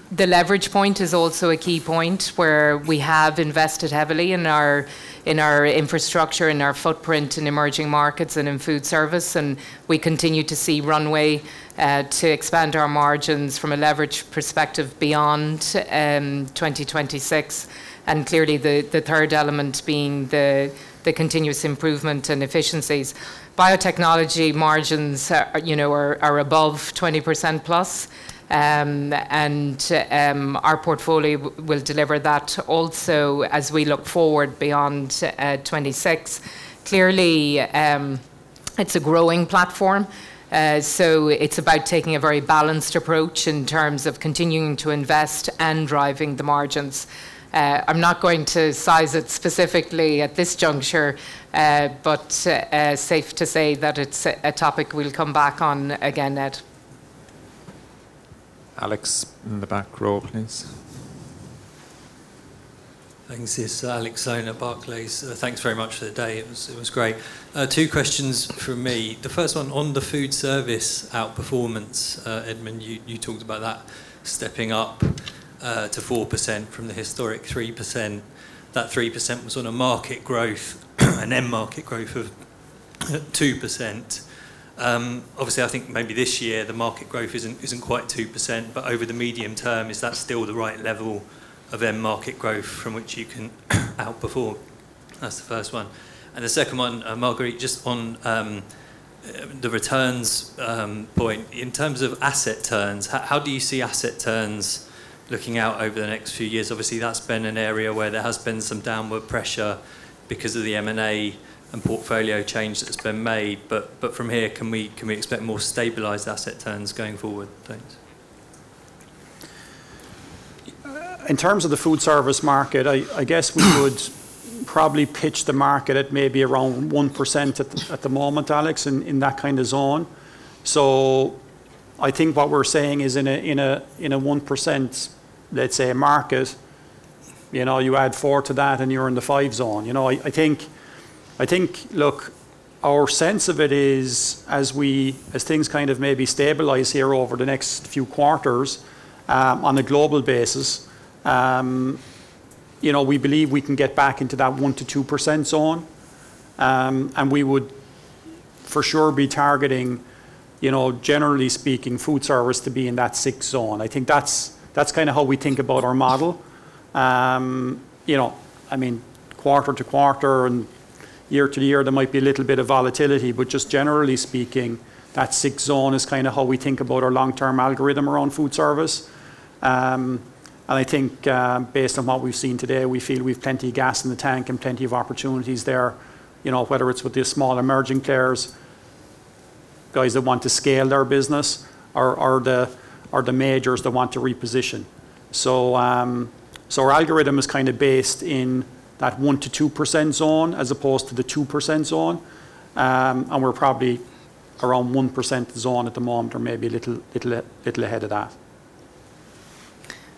The leverage point is also a key point where we have invested heavily in our infrastructure, in our footprint in emerging markets and in food service, and we continue to see runway to expand our margins from a leverage perspective beyond 2026. Clearly the third element being the continuous improvement in efficiencies. Biotechnology margins are, you know, above 20%+. Our portfolio will deliver that also as we look forward beyond 2026. Clearly, it's a growing platform, so it's about taking a very balanced approach in terms of continuing to invest and driving the margins. I'm not going to size it specifically at this juncture, but safe to say that it's a topic we'll come back on again, Ed. Alex in the back row, please. Thanks. It's Alex Sloane, Barclays. Thanks very much for the day. It was great. Two questions from me. The first one on the food service outperformance, Edmond, you talked about that stepping up to 4% from the historic 3%. That 3% was on a market growth, an end market growth of 2%. Obviously, I think maybe this year the market growth isn't quite 2%, but over the medium term, is that still the right level of end market growth from which you can outperform? That's the first one. The second one, Marguerite, just on the returns point, in terms of asset turns, how do you see asset turns looking out over the next few years? Obviously, that's been an area where there has been some downward pressure because of the M&A and portfolio change that's been made, but from here, can we expect more stabilized asset turns going forward? Thanks. In terms of the food service market, I guess we would probably picture the market at maybe around 1% at the moment, Alex, in that kind of zone. I think what we're saying is in a 1%, let's say, market, you know, you add 4 to that and you're in the 5 zone. You know, I think, look, our sense of it is as things kind of maybe stabilize here over the next few quarters, on a global basis, you know, we believe we can get back into that 1%-2% zone. We would for sure be targeting, you know, generally speaking, food service to be in that 6 zone. I think that's kind of how we think about our model. You know, I mean, quarter to quarter and year to year there might be a little bit of volatility, but just generally speaking, that 6% zone is kind of how we think about our long-term algorithm around food service. I think, based on what we've seen today, we feel we've plenty gas in the tank and plenty of opportunities there, you know, whether it's with the small emerging players, guys that want to scale their business or the majors that want to reposition. Our algorithm is kind of based in that 1%-2% zone as opposed to the 2% zone. We're probably around 1% zone at the moment or maybe a little ahead of that.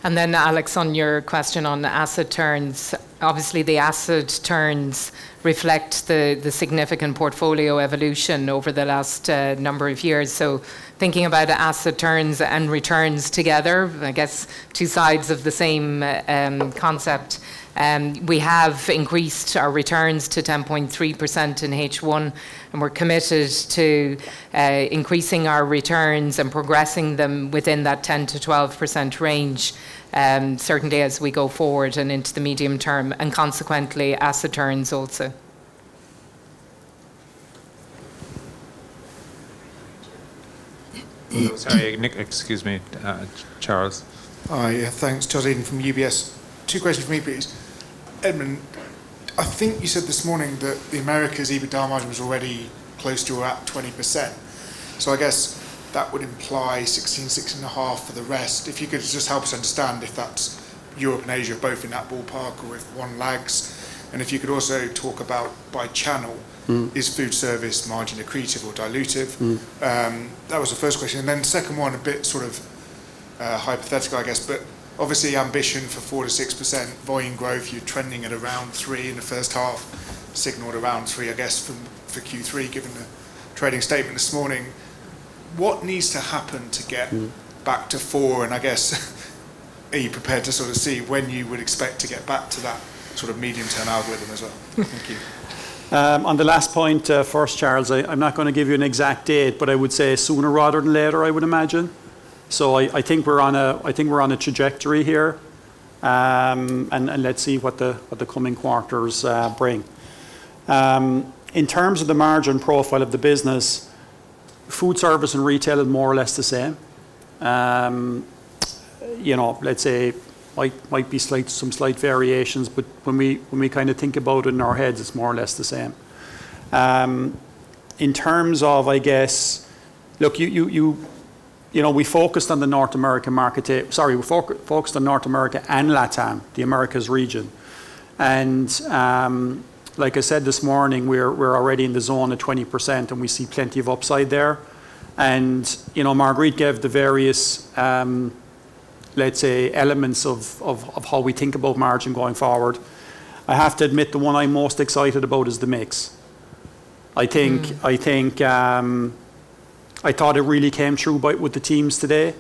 Alex, on your question on the asset turns, obviously the asset turns reflect the significant portfolio evolution over the last number of years. Thinking about asset turns and returns together, I guess two sides of the same concept, we have increased our returns to 10.3% in H1, and we're committed to increasing our returns and progressing them within that 10%-12% range, certainly as we go forward and into the medium term, and consequently asset turns also. Sorry. Excuse me. Charles. Hi. Yeah, thanks. Charles Eden from UBS. Two questions from me please. Edmond, I think you said this morning that the Americas EBIT margin was already close to or at 20%. I guess that would imply 16, 6.5 for the rest. If you could just help us understand if that's Europe and Asia both in that ballpark or if one lags. If you could also talk about by channel- Mm. Is food service margin accretive or dilutive? Mm. That was the first question. Then second one, a bit sort of hypothetical I guess, but obviously ambition for 4%-6% volume growth. You're trending at around 3% in the first half, signaled around 3% I guess from for Q3 given the trading statement this morning. What needs to happen to get- Mm. back to 4? I guess are you prepared to sort of say when you would expect to get back to that sort of medium-term algorithm as well? Thank you. On the last point, first, Charles, I'm not gonna give you an exact date, but I would say sooner rather than later, I would imagine. I think we're on a trajectory here. Let's see what the coming quarters bring. In terms of the margin profile of the business, food service and retail are more or less the same. You know, let's say might be slight, some slight variations, but when we kind of think about it in our heads, it's more or less the same. In terms of, I guess. Look, you know, we focused on the North American market. Sorry. We focused on North America and LatAm, the Americas region. Like I said this morning, we're already in the zone of 20%, and we see plenty of upside there. You know, Marguerite gave the various, let's say, elements of how we think about margin going forward. I have to admit, the one I'm most excited about is the mix. Mm. I thought it really came through with the teams today,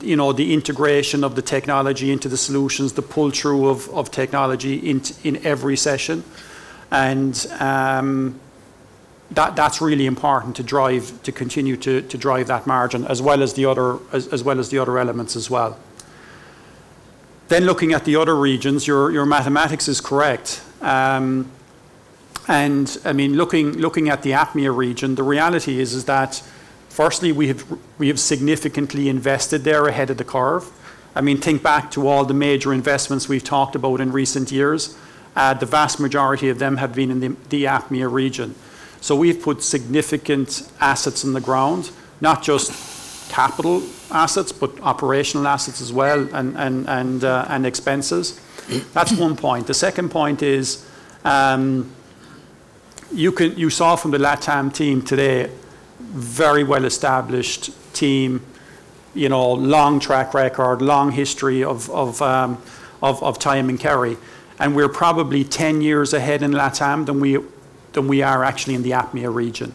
you know, the integration of the technology into the solutions, the pull-through of technology in every session. That's really important to drive, to continue to drive that margin, as well as the other elements as well. Looking at the other regions, your mathematics is correct. I mean, looking at the APMEA region, the reality is that firstly, we have significantly invested there ahead of the curve. I mean, think back to all the major investments we've talked about in recent years. The vast majority of them have been in the APMEA region. We've put significant assets in the ground, not just capital assets, but operational assets as well and expenses. That's one point. The second point is, you saw from the LatAm team today very well established team, you know, long track record, long history of time in Kerry. We're probably 10 years ahead in LatAm than we are actually in the APMEA region.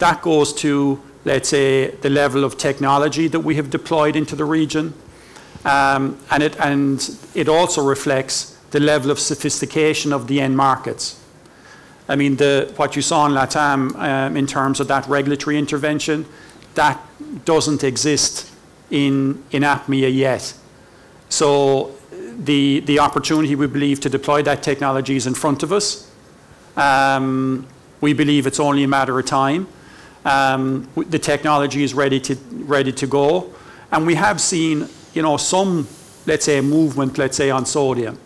That goes to, let's say, the level of technology that we have deployed into the region. It also reflects the level of sophistication of the end markets. I mean, what you saw in LatAm in terms of that regulatory intervention, that doesn't exist in APMEA yet. The opportunity, we believe, to deploy that technology is in front of us. We believe it's only a matter of time. The technology is ready to go. We have seen, you know, some, let's say, movement on sodium.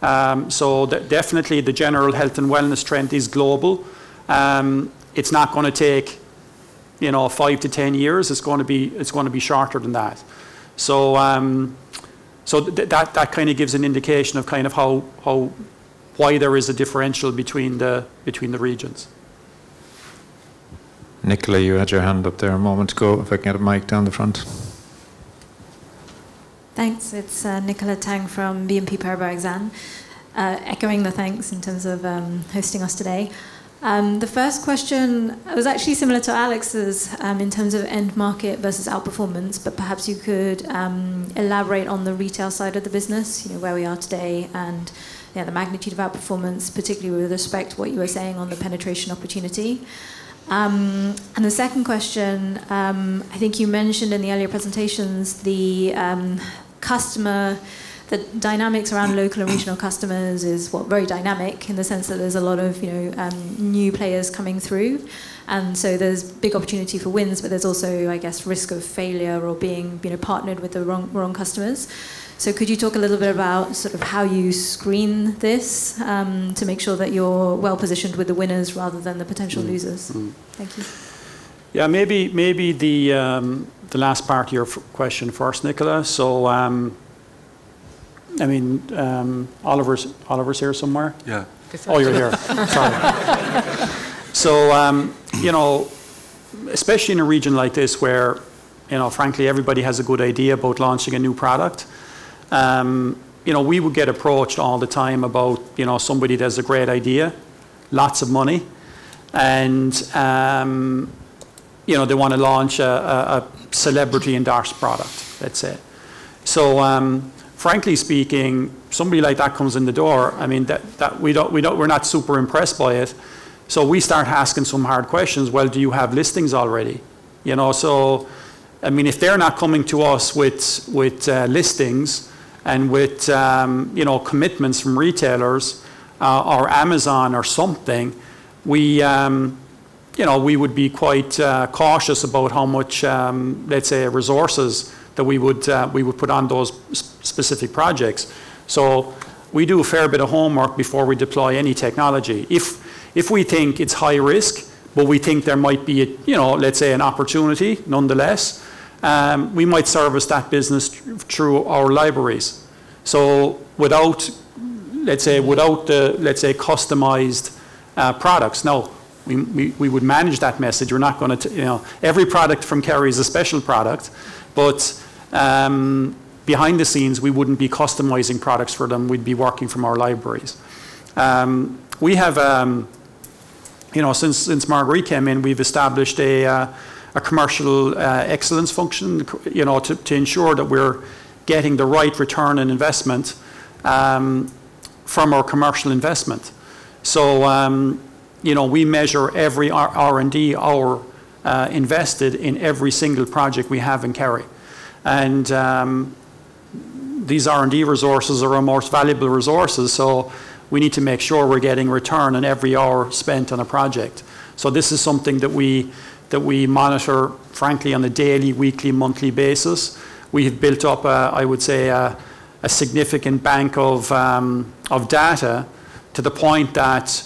Definitely the general health and wellness trend is global. It's not gonna take, you know, 5-10 years. It's gonna be shorter than that. That kind of gives an indication of kind of how why there is a differential between the regions. Nicola, you had your hand up there a moment ago. If I can get a mic down the front. Thanks. It's Nicola Tang from BNP Paribas Exane. Echoing the thanks in terms of hosting us today. The first question was actually similar to Alex's in terms of end market versus outperformance, but perhaps you could elaborate on the retail side of the business, you know, where we are today and, you know, the magnitude of outperformance, particularly with respect to what you were saying on the penetration opportunity. The second question, I think you mentioned in the earlier presentations the customer, the dynamics around local and regional customers is, what, very dynamic in the sense that there's a lot of, you know, new players coming through. There's big opportunity for wins, but there's also, I guess, risk of failure or being, you know, partnered with the wrong customers. Could you talk a little bit about sort of how you screen this, to make sure that you're well-positioned with the winners rather than the potential losers? Mm-hmm. Mm-hmm. Thank you. Yeah. Maybe the last part of your question first, Nicola. I mean, Oliver's here somewhere. Yeah. He's actually here. Oh, you're here. Sorry. You know, especially in a region like this where, you know, frankly, everybody has a good idea about launching a new product, you know, we would get approached all the time about, you know, somebody that has a great idea, lots of money, and, you know, they wanna launch a celebrity-endorsed product, let's say. Frankly speaking, somebody like that comes in the door, I mean, that we're not super impressed by it. We start asking some hard questions. "Well, do you have listings already?" You know? I mean, if they're not coming to us with listings and with, you know, commitments from retailers, or Amazon or something, we, you know, we would be quite cautious about how much, let's say, resources that we would, we would put on those specific projects. We do a fair bit of homework before we deploy any technology. If, if we think it's high risk, but we think there might be a, you know, let's say, an opportunity nonetheless, we might service that business through our libraries, so without, let's say, without the, let's say, customized products. We, we would manage that message. We're not gonna You know, every product from Kerry is a special product, but behind the scenes, we wouldn't be customizing products for them. We'd be working from our libraries. We have, you know, since Marguerite came in, we've established a commercial excellence function, you know, to ensure that we're getting the right return on investment from our commercial investment. You know, we measure every R&D hour invested in every single project we have in Kerry. These R&D resources are our most valuable resources, so we need to make sure we're getting return on every hour spent on a project. This is something that we monitor, frankly, on a daily, weekly, monthly basis. We have built up a, I would say, a significant bank of data to the point that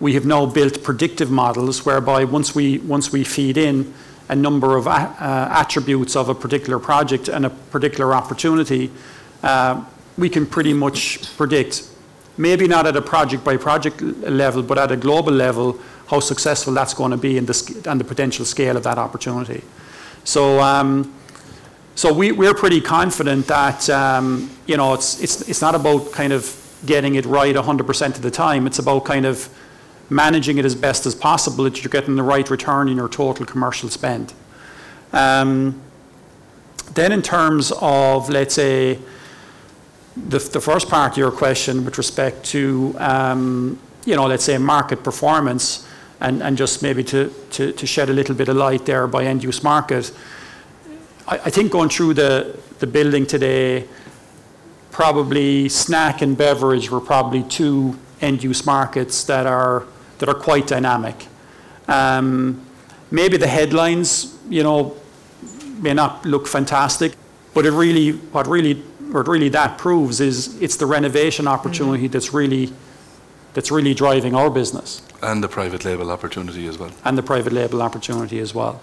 we have now built predictive models whereby once we, once we feed in a number of attributes of a particular project and a particular opportunity, we can pretty much predict, maybe not at a project-by-project level, but at a global level, how successful that's gonna be and the potential scale of that opportunity. We, we're pretty confident that, you know, it's, it's not about kind of getting it right 100% of the time. It's about kind of managing it as best as possible that you're getting the right return in your total commercial spend. In terms of, let's say, the first part of your question with respect to, let's say, market performance and just maybe to shed a little bit of light there by end-use market. I think going through the building today, probably snack and beverage were probably two end-use markets that are quite dynamic. The headlines may not look fantastic, but what really that proves is it's the renovation opportunity that's really driving our business. The private label opportunity as well. The private label opportunity as well.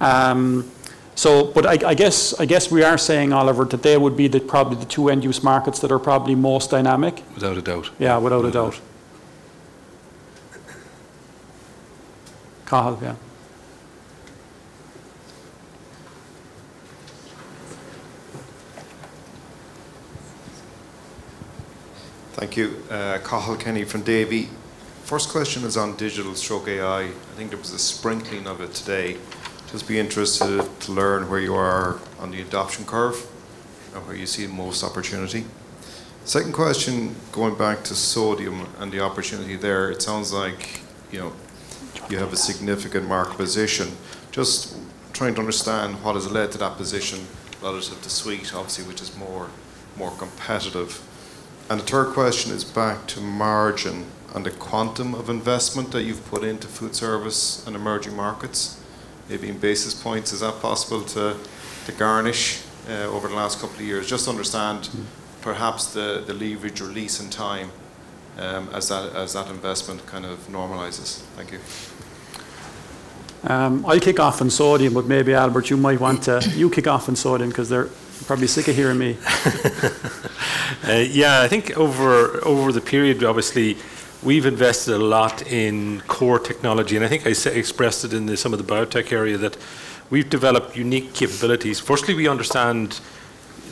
I guess we are saying, Oliver, that they would be the probably the two end-use markets that are probably most dynamic. Without a doubt. Yeah, without a doubt. Cathal, yeah. Thank you. Cathal Kenny from Davy. First question is on Digital and AI. I think there was a sprinkling of it today. Just be interested to learn where you are on the adoption curve and where you see the most opportunity. Second question, going back to sodium and the opportunity there, it sounds like, you know, you have a significant market position. Just trying to understand what has led to that position relative to sweet, obviously, which is more competitive. The third question is back to margin and the quantum of investment that you've put into foodservice and emerging markets. Maybe in basis points, is that possible to garnish over the last couple of years? Just to understand perhaps the leverage or lease in time, as that investment kind of normalizes. Thank you. I'll kick off on sodium, but maybe Albert, you kick off on sodium because they're probably sick of hearing me. I think over the period, obviously, we've invested a lot in core technology, and I think expressed it in some of the biotech area that we've developed unique capabilities. Firstly, we understand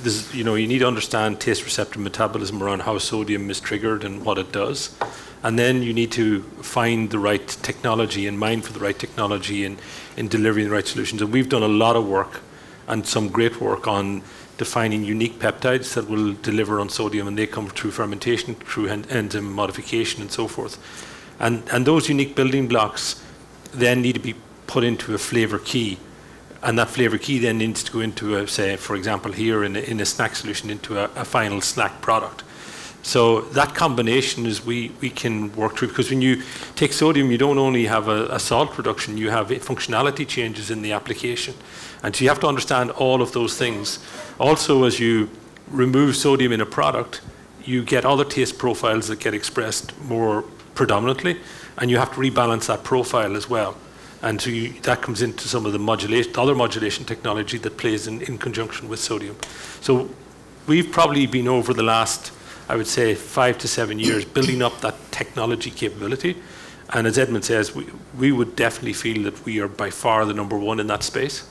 this, you know, you need to understand taste receptor metabolism around how sodium is triggered and what it does, then you need to find the right technology and mine for the right technology in delivering the right solutions. We've done a lot of work and some great work on defining unique peptides that will deliver on sodium, and they come through fermentation, through enzyme modification and so forth. Those unique building blocks then need to be put into a flavor key, and that flavor key then needs to go into, say, for example, here in a snack solution, into a final snack product. That combination is we can work through, because when you take sodium, you don't only have a salt reduction, you have functionality changes in the application. You have to understand all of those things. Also, as you remove sodium in a product, you get other taste profiles that get expressed more predominantly, and you have to rebalance that profile as well. That comes into some of the other modulation technology that plays in conjunction with sodium. We've probably been over the last, I would say, five to seven years building up that technology capability. As Edmond says, we would definitely feel that we are by far the number one in that space,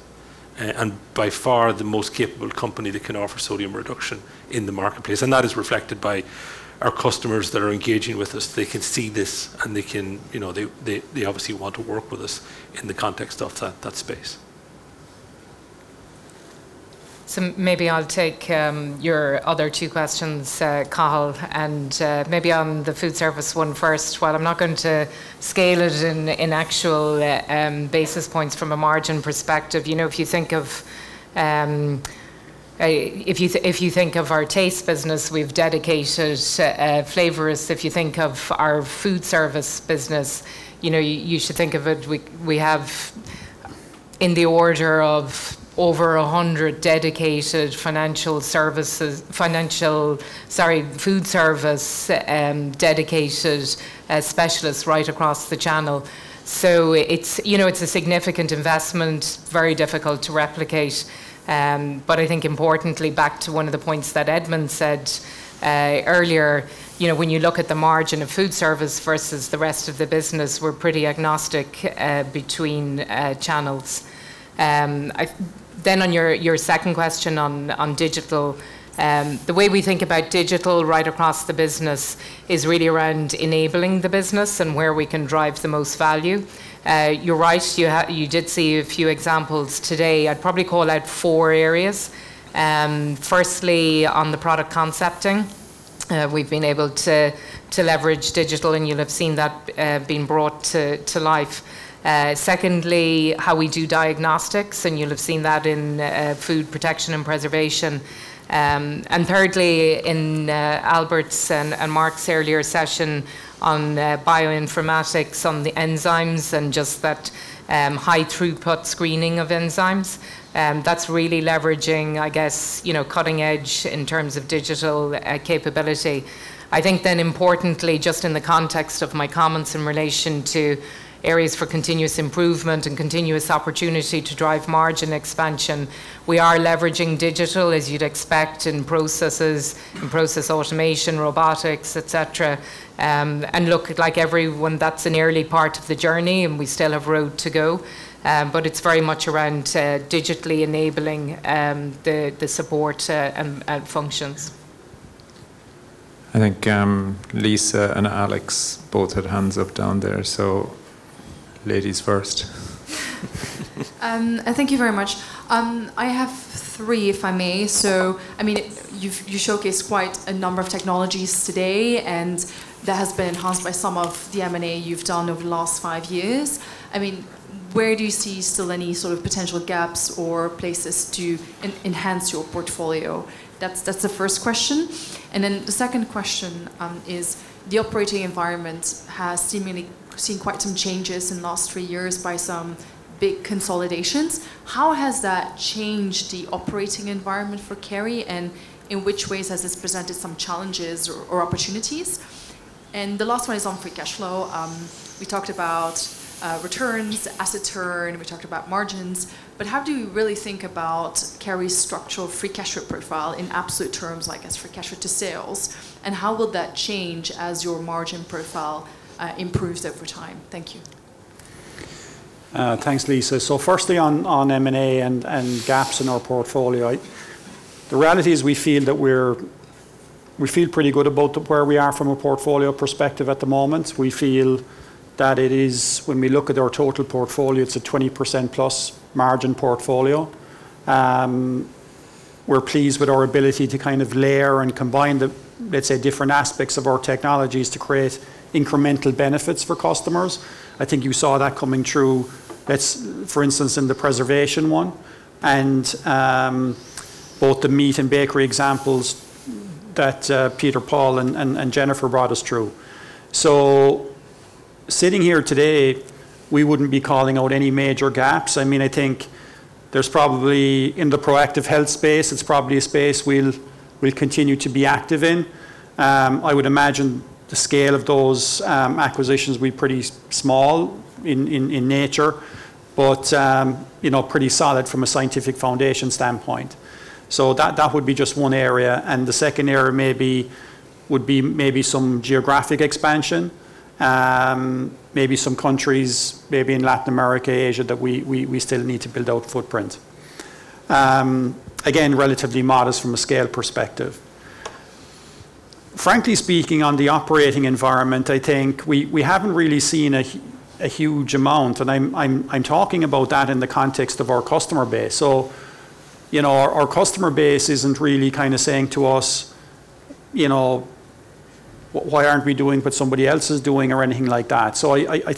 and by far the most capable company that can offer sodium reduction in the marketplace, and that is reflected by our customers that are engaging with us. They can see this, and they can, you know, they obviously want to work with us in the context of that space. Maybe I'll take your other two questions, Cathal, and maybe on the food service one first. While I'm not going to scale it in actual basis points from a margin perspective, you know, if you think of our taste business, we've dedicated flavorists. If you think of our food service business, you know, you should think of it, we have in the order of over 100 dedicated food service specialists right across the channel. It's a significant investment, very difficult to replicate. I think importantly, back to one of the points that Edmond said earlier, you know, when you look at the margin of food service versus the rest of the business, we're pretty agnostic between channels. On your second question on digital, the way we think about digital right across the business is really around enabling the business and where we can drive the most value. You're right. You did see a few examples today. I'd probably call out four areas. Firstly, on the product concepting, we've been able to leverage digital, and you'll have seen that being brought to life. Secondly, how we do diagnostics, and you'll have seen that in food protection and preservation. Thirdly, in Albert's and Mark's earlier session on bioinformatics, on the enzymes and just that, high throughput screening of enzymes, that's really leveraging, I guess, you know, cutting edge in terms of digital capability. I think then importantly, just in the context of my comments in relation to areas for continuous improvement and continuous opportunity to drive margin expansion, we are leveraging digital, as you'd expect, in processes, in process automation, robotics, et cetera. Look, like everyone, that's an early part of the journey, and we still have a road to go. It's very much around digitally enabling the support functions. I think, Lisa and Alex both had hands up down there. Ladies first. Thank you very much. I have three, if I may. I mean, you've showcased quite a number of technologies today, and that has been enhanced by some of the M&A you've done over the last five years. I mean, where do you see still any sort of potential gaps or places to enhance your portfolio? That's the first question. Then the second question is the operating environment has seemingly seen quite some changes in the last three years by some big consolidations. How has that changed the operating environment for Kerry, and in which ways has this presented some challenges or opportunities? The last one is on free cash flow. We talked about returns, asset return, we talked about margins. How do you really think about Kerry's structural free cash flow profile in absolute terms, I guess, free cash flow to sales, and how will that change as your margin profile improves over time? Thank you. Thanks, Lisa. Firstly on M&A and gaps in our portfolio, the reality is we feel pretty good about where we are from a portfolio perspective at the moment. We feel that it is, when we look at our total portfolio, it's a 20% plus margin portfolio. We're pleased with our ability to kind of layer and combine the, let's say, different aspects of our technologies to create incremental benefits for customers. I think you saw that coming through, let's for instance, in the preservation one and both the meat and bakery examples that Peter, Paul and Jennifer brought us through. Sitting here today, we wouldn't be calling out any major gaps. I mean, I think there's probably in the proactive health space, it's probably a space we'll continue to be active in. I would imagine the scale of those acquisitions will be pretty small in nature, but you know, pretty solid from a scientific foundation standpoint. That would be just one area. The second area maybe would be maybe some geographic expansion, maybe some countries, maybe in Latin America, Asia, that we still need to build out footprint. Again, relatively modest from a scale perspective. Frankly speaking, on the operating environment, I think we haven't really seen a huge amount, and I'm talking about that in the context of our customer base. You know, our customer base isn't really kind of saying to us, you know, why aren't we doing what somebody else is doing or anything like that. I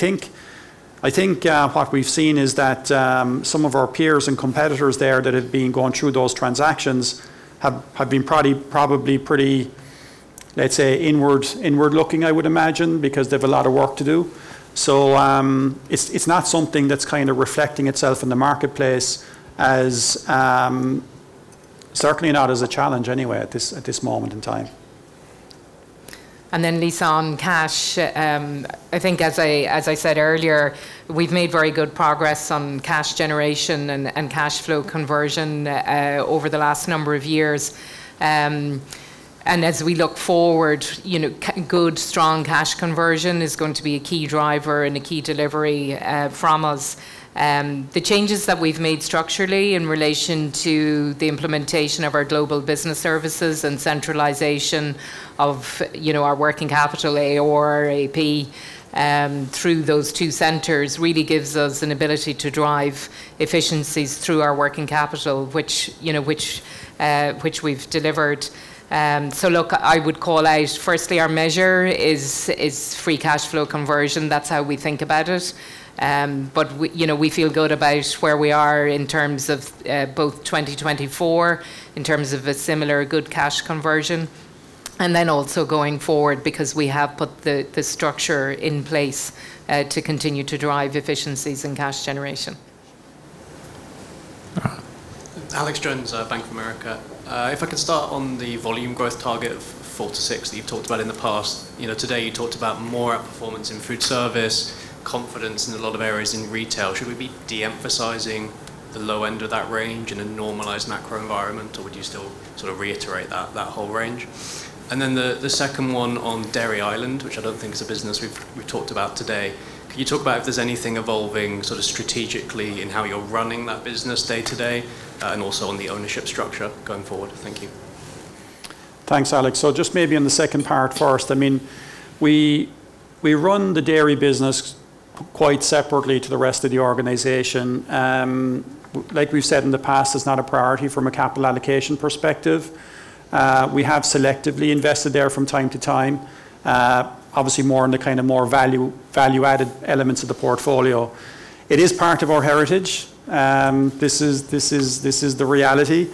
think what we've seen is that some of our peers and competitors there that have been going through those transactions have been probably pretty, let's say, inward-looking, I would imagine, because they have a lot of work to do. It's not something that's kind of reflecting itself in the marketplace as certainly not as a challenge anyway at this moment in time. Lisa, on cash, I think as I said earlier, we've made very good progress on cash generation and cash flow conversion over the last number of years. As we look forward, you know, good, strong cash conversion is going to be a key driver and a key delivery from us. The changes that we've made structurally in relation to the implementation of our Global Business Services and centralization of, you know, our working capital, AOR, AP, through those two centers really gives us an ability to drive efficiencies through our working capital, which, you know, we've delivered. Look, I would call out firstly our measure is free cash flow conversion. That's how we think about it. We, you know, we feel good about where we are in terms of both 2024 in terms of a similar good cash conversion, and then also going forward because we have put the structure in place to continue to drive efficiencies and cash generation. Alex Jones, Bank of America. If I could start on the volume growth target of 4%-6% that you've talked about in the past. You know, today you talked about more outperformance in food service, confidence in a lot of areas in retail. Should we be de-emphasizing the low end of that range in a normalized macro environment, or would you still sort of reiterate that whole range? Then the second one on Kerry Dairy Ireland, which I don't think is a business we've talked about today. Can you talk about if there's anything evolving sort of strategically in how you're running that business day-to-day, and also on the ownership structure going forward? Thank you. Thanks, Alex. Just maybe on the second part first, I mean, we run the dairy business quite separately to the rest of the organization. Like we've said in the past, it's not a priority from a capital allocation perspective. We have selectively invested there from time to time, obviously more in the kind of value-added elements of the portfolio. It is part of our heritage. This is the reality.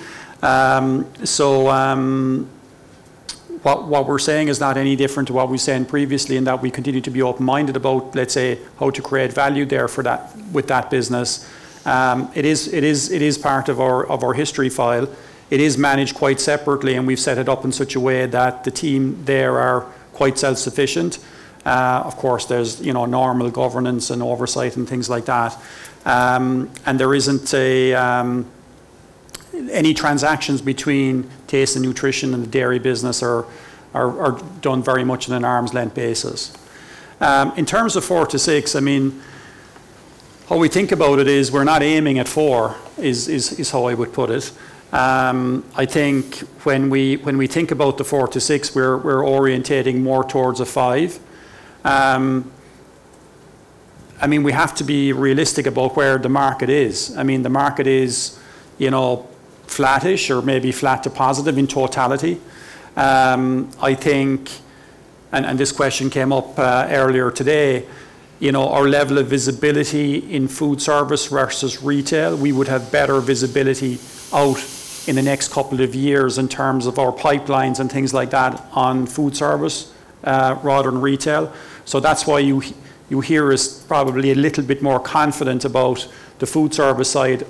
What we're saying is not any different to what we've said previously in that we continue to be open-minded about, let's say, how to create value there for that, with that business. It is part of our history file. It is managed quite separately, and we've set it up in such a way that the team there are quite self-sufficient. Of course, there's, you know, normal governance and oversight and things like that. There aren't any transactions between Taste & Nutrition and the dairy business that are done very much on an arm's length basis. In terms of 4-6, I mean, how we think about it is we're not aiming at 4 is how I would put it. I think when we think about the 4-6, we're orientating more towards a 5. I mean, we have to be realistic about where the market is. I mean, the market is, you know, flattish or maybe flat to positive in totality. I think this question came up earlier today, you know, our level of visibility in food service versus retail. We would have better visibility out in the next couple of years in terms of our pipelines and things like that on food service rather than retail. That's why you hear us probably a little bit more confident about the food service side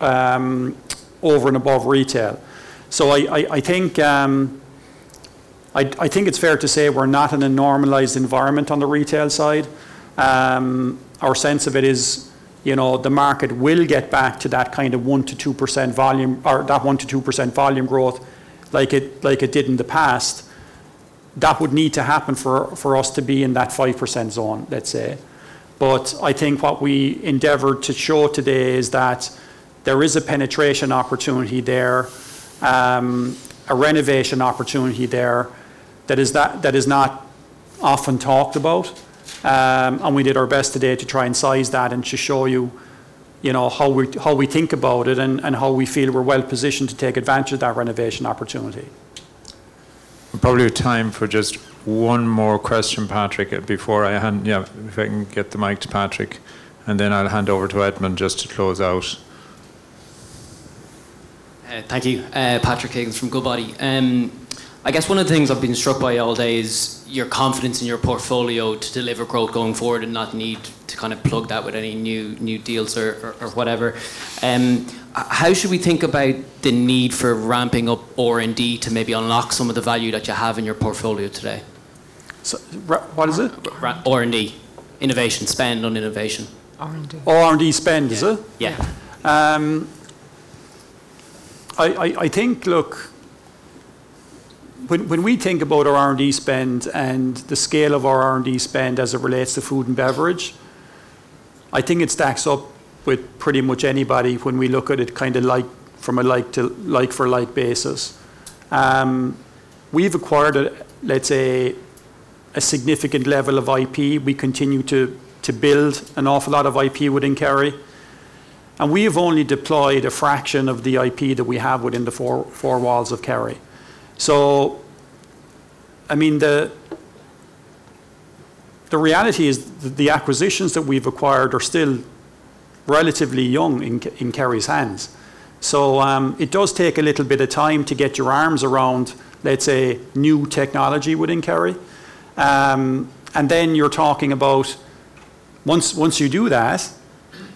over and above retail. I think it's fair to say we're not in a normalized environment on the retail side. Our sense of it is, you know, the market will get back to that kind of 1%-2% volume, or that 1%-2% volume growth like it did in the past. That would need to happen for us to be in that 5% zone, let's say. I think what we endeavored to show today is that there is a penetration opportunity there, a renovation opportunity there that is not often talked about. We did our best today to try and size that and to show you know, how we think about it and how we feel we're well positioned to take advantage of that renovation opportunity. We probably have time for just one more question, Patrick. Yeah, if I can get the mic to Patrick, and then I'll hand over to Edmond just to close out. Thank you. Patrick Higgins from Goodbody. I guess one of the things I've been struck by all day is your confidence in your portfolio to deliver growth going forward and not need to kinda plug that with any new deals or whatever. How should we think about the need for ramping up R&D to maybe unlock some of the value that you have in your portfolio today? What is it? R&D. Innovation. Spend on innovation. R&D. Oh, R&D spend, is it? Yeah. Yeah. Yeah. I think, look, when we think about our R&D spend and the scale of our R&D spend as it relates to food and beverage, I think it stacks up with pretty much anybody when we look at it kinda like from a like-for-like basis. We've acquired, let's say, a significant level of IP. We continue to build an awful lot of IP within Kerry, and we've only deployed a fraction of the IP that we have within the four walls of Kerry. I mean, the reality is the acquisitions that we've acquired are still relatively young in Kerry's hands. It does take a little bit of time to get your arms around, let's say, new technology within Kerry. You're talking about once you do that,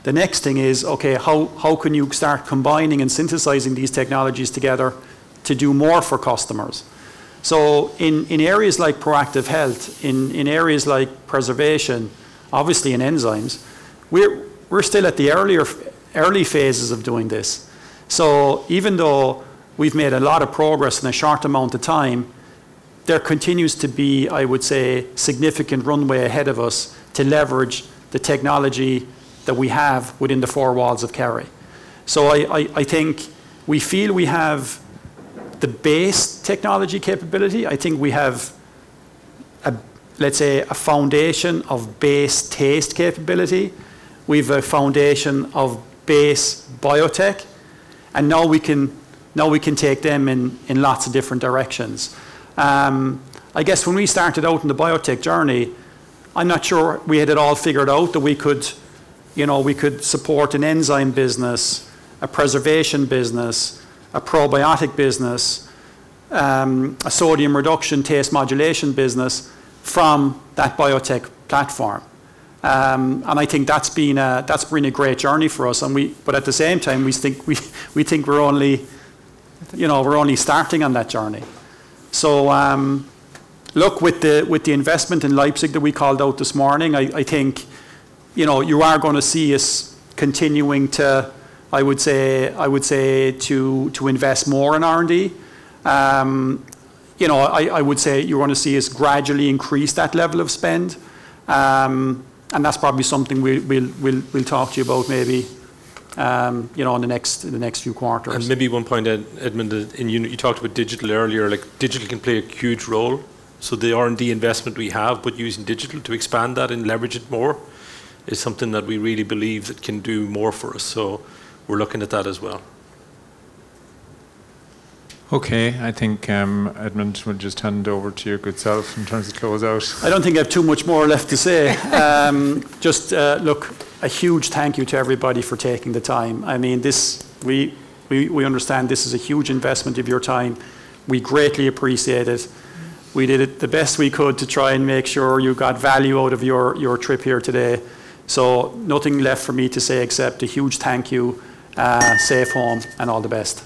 the next thing is, okay, how can you start combining and synthesizing these technologies together to do more for customers? In areas like proactive health, in areas like preservation, obviously in enzymes, we're still at the early phases of doing this. Even though we've made a lot of progress in a short amount of time, there continues to be, I would say, significant runway ahead of us to leverage the technology that we have within the four walls of Kerry. I think we feel we have the base technology capability. I think we have, let's say, a foundation of base taste capability with a foundation of base biotech, and now we can take them in lots of different directions. I guess when we started out in the biotech journey, I'm not sure we had it all figured out that we could, you know, we could support an enzyme business, a preservation business, a probiotic business, a sodium reduction taste modulation business from that biotech platform. I think that's been a great journey for us, and at the same time, we think we're only, you know, we're only starting on that journey. Look, with the investment in Leipzig that we called out this morning, I think, you know, you are gonna see us continuing to, I would say, to invest more in R&D. You know, I would say you're gonna see us gradually increase that level of spend, and that's probably something we'll talk to you about maybe, you know, in the next few quarters. Maybe one point that Edmond, you talked about digital earlier. Like digital can play a huge role. So the R&D investment we have, but using digital to expand that and leverage it more is something that we really believe it can do more for us. So we're looking at that as well. Okay. I think, Edmond, we'll just hand over to your good self in terms of close out. I don't think I have too much more left to say. Just, look, a huge thank you to everybody for taking the time. I mean, this, we understand this is a huge investment of your time. We greatly appreciate it. We did it the best we could to try and make sure you got value out of your trip here today. Nothing left for me to say except a huge thank you, safe home, and all the best.